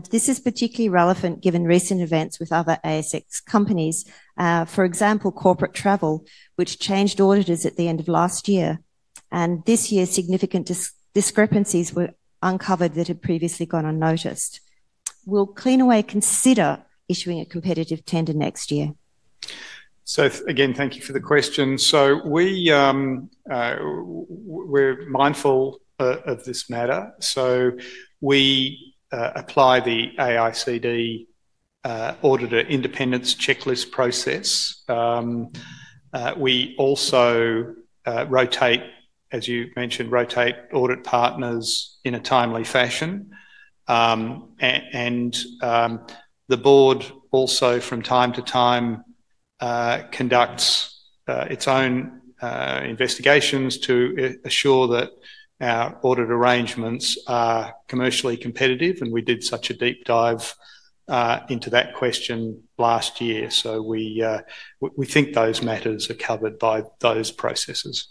S6: This is particularly relevant given recent events with other ASX companies, for example, Corporate Travel, which changed auditors at the end of last year. This year, significant discrepancies were uncovered that had previously gone unnoticed. Will Cleanaway consider issuing a competitive tender next year?
S1: Thank you for the question. We're mindful of this matter. We apply the AICD auditor independence checklist process. We also, as you mentioned, rotate audit partners in a timely fashion. The board also, from time to time, conducts its own investigations to assure that our audit arrangements are commercially competitive. We did such a deep dive into that question last year. We think those matters are covered by those processes.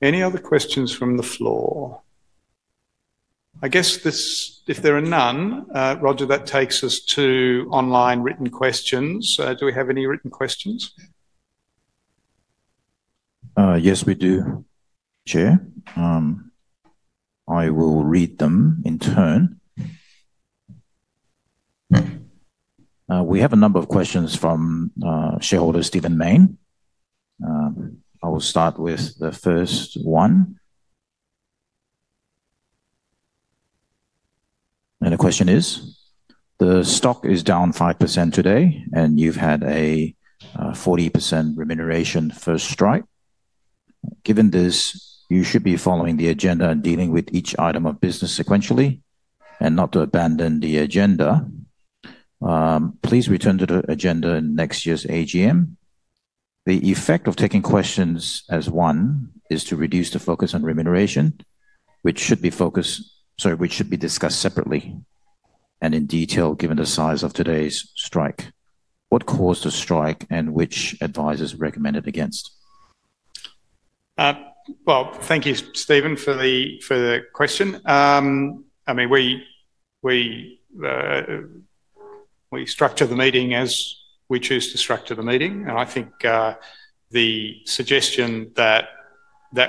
S1: Any other questions from the floor? If there are none, Roger, that takes us to online written questions. Do we have any written questions?
S5: Yes, we do, Chair. I will read them in turn. We have a number of questions from shareholder Stephen Main. I will start with the first one. The question is, the stock is down 5% today, and you've had a 40% remuneration first strike. Given this, you should be following the agenda and dealing with each item of business sequentially and not abandon the agenda. Please return to the agenda in next year's AGM. The effect of taking questions as one is to reduce the focus on remuneration, which should be discussed separately and in detail given the size of today's strike. What caused the strike and which advisors recommended against?
S1: Thank you, Stephen, for the question. I mean, we structure the meeting as we choose to structure the meeting. I think the suggestion that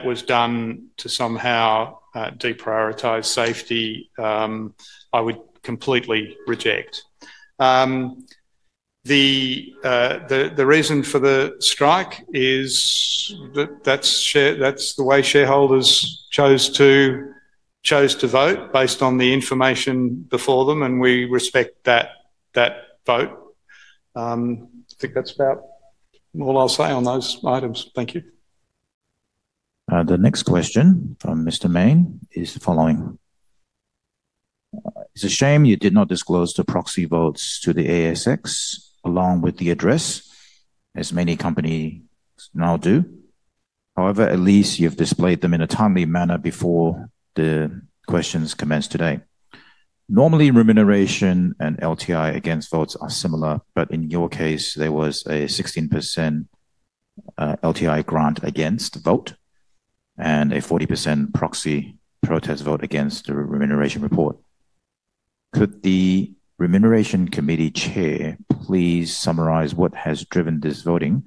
S1: was done to somehow deprioritize safety, I would completely reject. The reason for the strike is that that's the way shareholders chose to vote based on the information before them, and we respect that vote. I think that's about all I'll say on those items. Thank you.
S5: The next question from Mr. Main is the following. It's a shame you did not disclose the proxy votes to the ASX along with the address, as many companies now do. However, at least you've displayed them in a timely manner before the questions commence today. Normally, remuneration and LTI against votes are similar, but in your case, there was a 16% LTI grant against vote and a 40% proxy protest vote against the remuneration report. Could the Remuneration Committee Chair please summarize what has driven this voting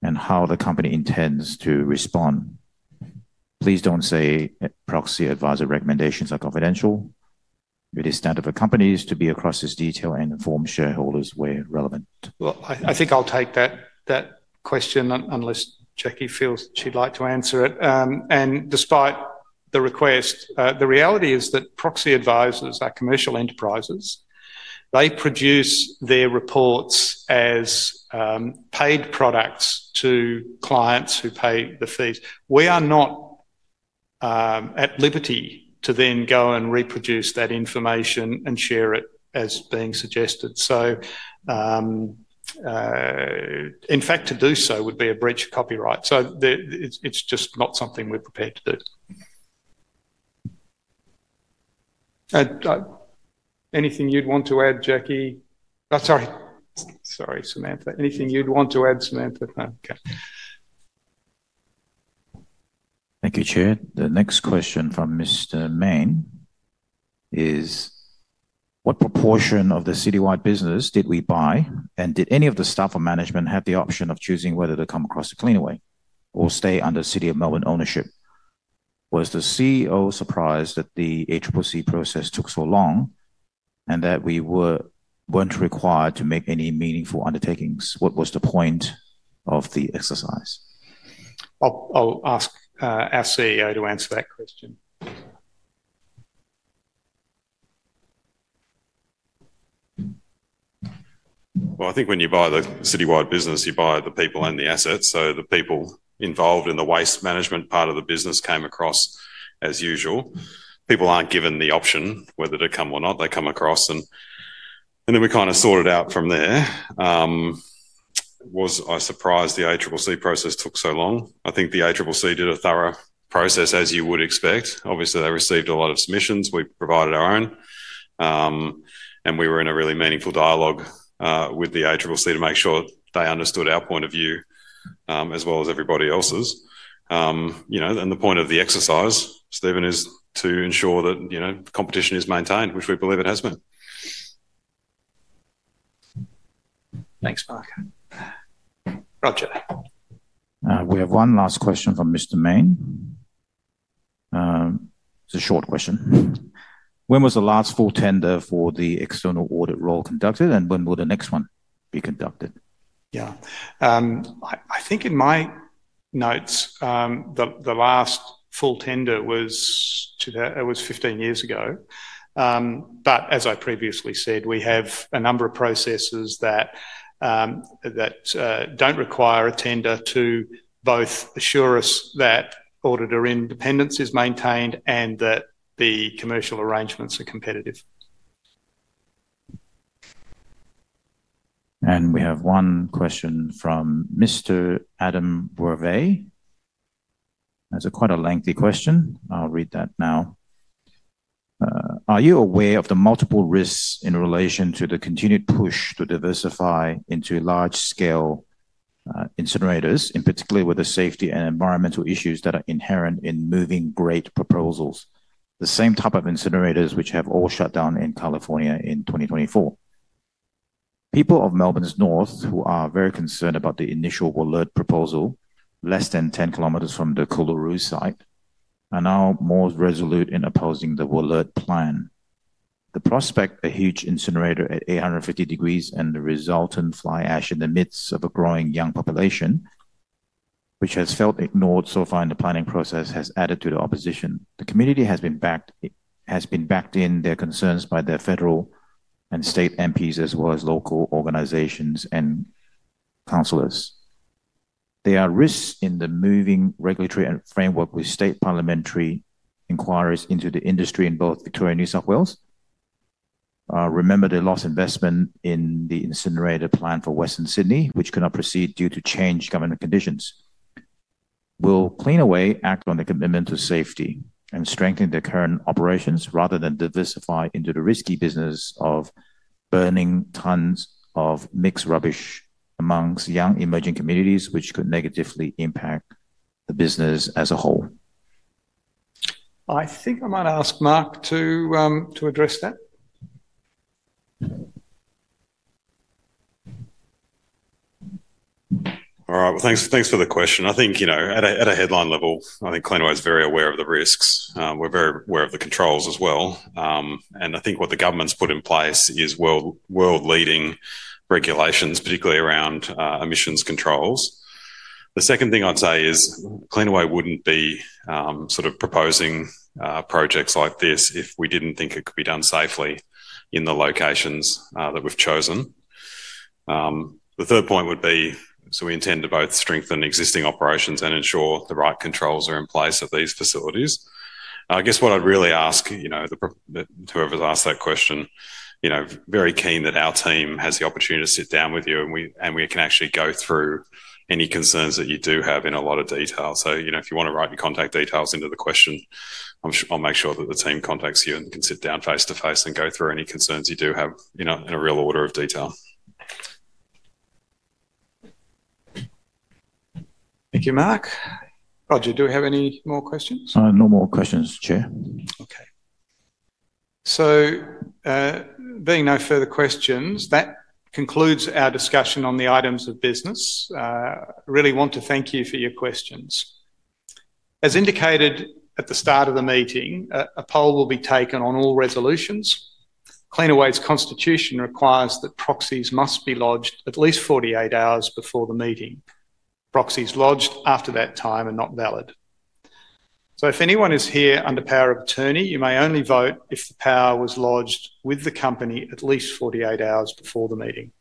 S5: and how the company intends to respond? Please don't say proxy advisor recommendations are confidential. It is standard for companies to be across this detail and inform shareholders where relevant.
S1: I think I'll take that question unless Jackie feels she'd like to answer it. Despite the request, the reality is that proxy advisors are commercial enterprises. They produce their reports as paid products to clients who pay the fees. We are not at liberty to then go and reproduce that information and share it as being suggested. In fact, to do so would be a breach of copyright. It's just not something we're prepared to do. Anything you'd want to add, Jackie? Sorry, Samantha. Anything you'd want to add, Samantha?
S5: Thank you, Chair. The next question from Mr. Main is, what proportion of the Citywide business did we buy, and did any of the staff or management have the option of choosing whether to come across to Cleanaway or stay under City of Melbourne ownership? Was the CEO surprised that the ACCC process took so long and that we weren't required to make any meaningful undertakings? What was the point of the exercise?
S1: I'll ask our CEO to answer that question.
S2: I think when you buy the Citywide business, you buy the people and the assets. The people involved in the waste management part of the business came across as usual. People aren't given the option whether to come or not. They come across, and then we kind of sort it out from there. Was I surprised the ACCC process took so long? I think the ACCC did a thorough process, as you would expect. Obviously, they received a lot of submissions. We provided our own, and we were in a really meaningful dialogue with the ACCC to make sure they understood our point of view as well as everybody else's. The point of the exercise, Stephen, is to ensure that competition is maintained, which we believe it has been.
S1: Thanks, Mark. Roger.
S5: We have one last question from Mr. Main. It's a short question. When was the last full tender for the external audit role conducted, and when will the next one be conducted?
S1: Yeah. I think in my notes, the last full tender was 15 years ago. As I previously said, we have a number of processes that don't require a tender to both assure us that audit independence is maintained and that the commercial arrangements are competitive.
S5: We have one question from Mr. Adam Gourvet. That's quite a lengthy question. I'll read that now. Are you aware of the multiple risks in relation to the continued push to diversify into large-scale incinerators, in particular with the safety and environmental issues that are inherent in moving great proposals, the same type of incinerators which have all shut down in California in 2024? People of Melbourne's North, who are very concerned about the initial Wollert proposal, less than 10 kilometers from the Coolaroo site, are now more resolute in opposing the Wollert plan. The prospect of a huge incinerator at 850 degrees and the resultant fly ash in the midst of a growing young population, which has felt ignored so far in the planning process, has added to the opposition. The community has been backed in their concerns by their federal and state MPs as well as local organizations and councillors. There are risks in the moving regulatory framework with state parliamentary inquiries into the industry in both Victoria and New South Wales. Remember the lost investment in the incinerator plan for Western Sydney, which could not proceed due to changed government conditions. Will Cleanaway act on the commitment to safety and strengthen their current operations rather than diversify into the risky business of burning tonnes of mixed rubbish amongst young emerging communities, which could negatively impact the business as a whole?
S1: I think I might ask Mark to address that.
S2: All right. Thanks for the question. I think, you know, at a headline level, I think Cleanaway is very aware of the risks. We're very aware of the controls as well. I think what the government's put in place is world-leading regulations, particularly around emissions controls. The second thing I'd say is Cleanaway wouldn't be sort of proposing projects like this if we didn't think it could be done safely in the locations that we've chosen. The third point would be, we intend to both strengthen existing operations and ensure the right controls are in place at these facilities. I guess what I'd really ask, you know, whoever's asked that question, you know, very keen that our team has the opportunity to sit down with you and we can actually go through any concerns that you do have in a lot of detail. If you want to write your contact details into the question, I'll make sure that the team contacts you and can sit down face to face and go through any concerns you do have in a real order of detail.
S1: Thank you, Mark. Roger, do we have any more questions?
S5: No more questions, Chair.
S1: Okay. There are no further questions. That concludes our discussion on the items of business. I really want to thank you for your questions. As indicated at the start of the meeting, a poll will be taken on all resolutions. Cleanaway's Constitution requires that proxies must be lodged at least 48 hours before the meeting. Proxies lodged after that time are not valid. If anyone is here under power of attorney, you may only vote if the power was lodged with the company at least 48 hours before the meeting.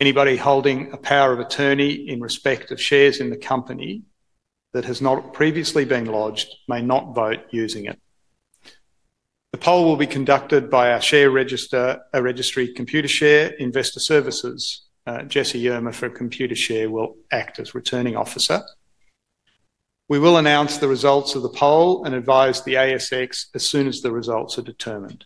S1: Anybody holding a power of attorney in respect of shares in the company that has not previously been lodged may not vote using it. The poll will be conducted by our share register, a Registry Computershare Investor Services. Jessie Yerma for Computershare will act as returning officer. We will announce the results of the poll and advise the ASX as soon as the results are determined.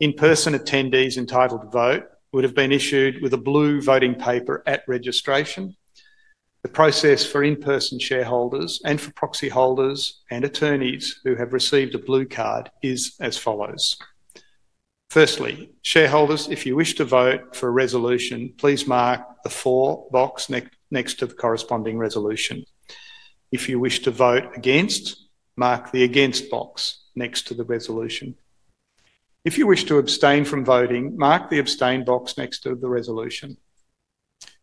S1: In-person attendees entitled to vote would have been issued with a blue voting paper at registration. The process for in-person shareholders and for proxy holders and attorneys who have received a blue card is as follows. Firstly, shareholders, if you wish to vote for a resolution, please mark the for box next to the corresponding resolution. If you wish to vote against, mark the against box next to the resolution. If you wish to abstain from voting, mark the abstain box next to the resolution.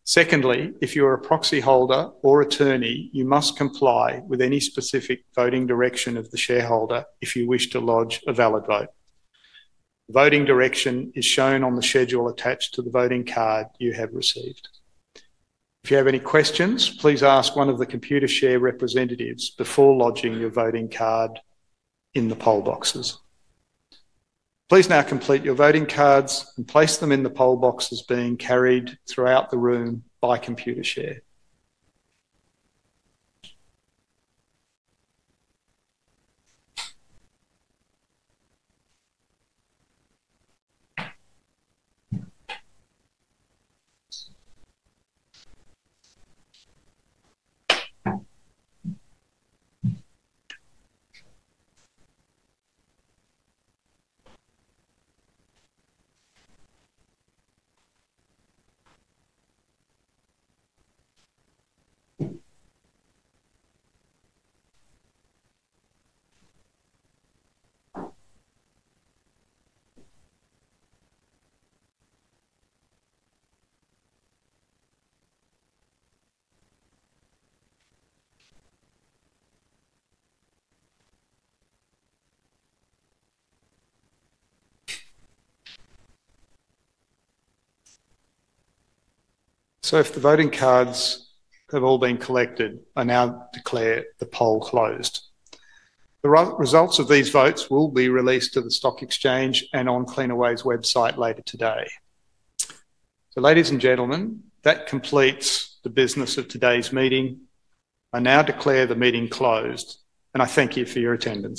S1: Secondly, if you are a proxy holder or attorney, you must comply with any specific voting direction of the shareholder if you wish to lodge a valid vote. The voting direction is shown on the schedule attached to the voting card you have received. If you have any questions, please ask one of the Computershare representatives before lodging your voting card in the poll boxes. Please now complete your voting cards and place them in the poll boxes being carried throughout the room by Computershare. If the voting cards have all been collected, I now declare the poll closed. The results of these votes will be released to the stock exchange and on Cleanaway's website later today. Ladies and gentlemen, that completes the business of today's meeting. I now declare the meeting closed, and I thank you for your attendance.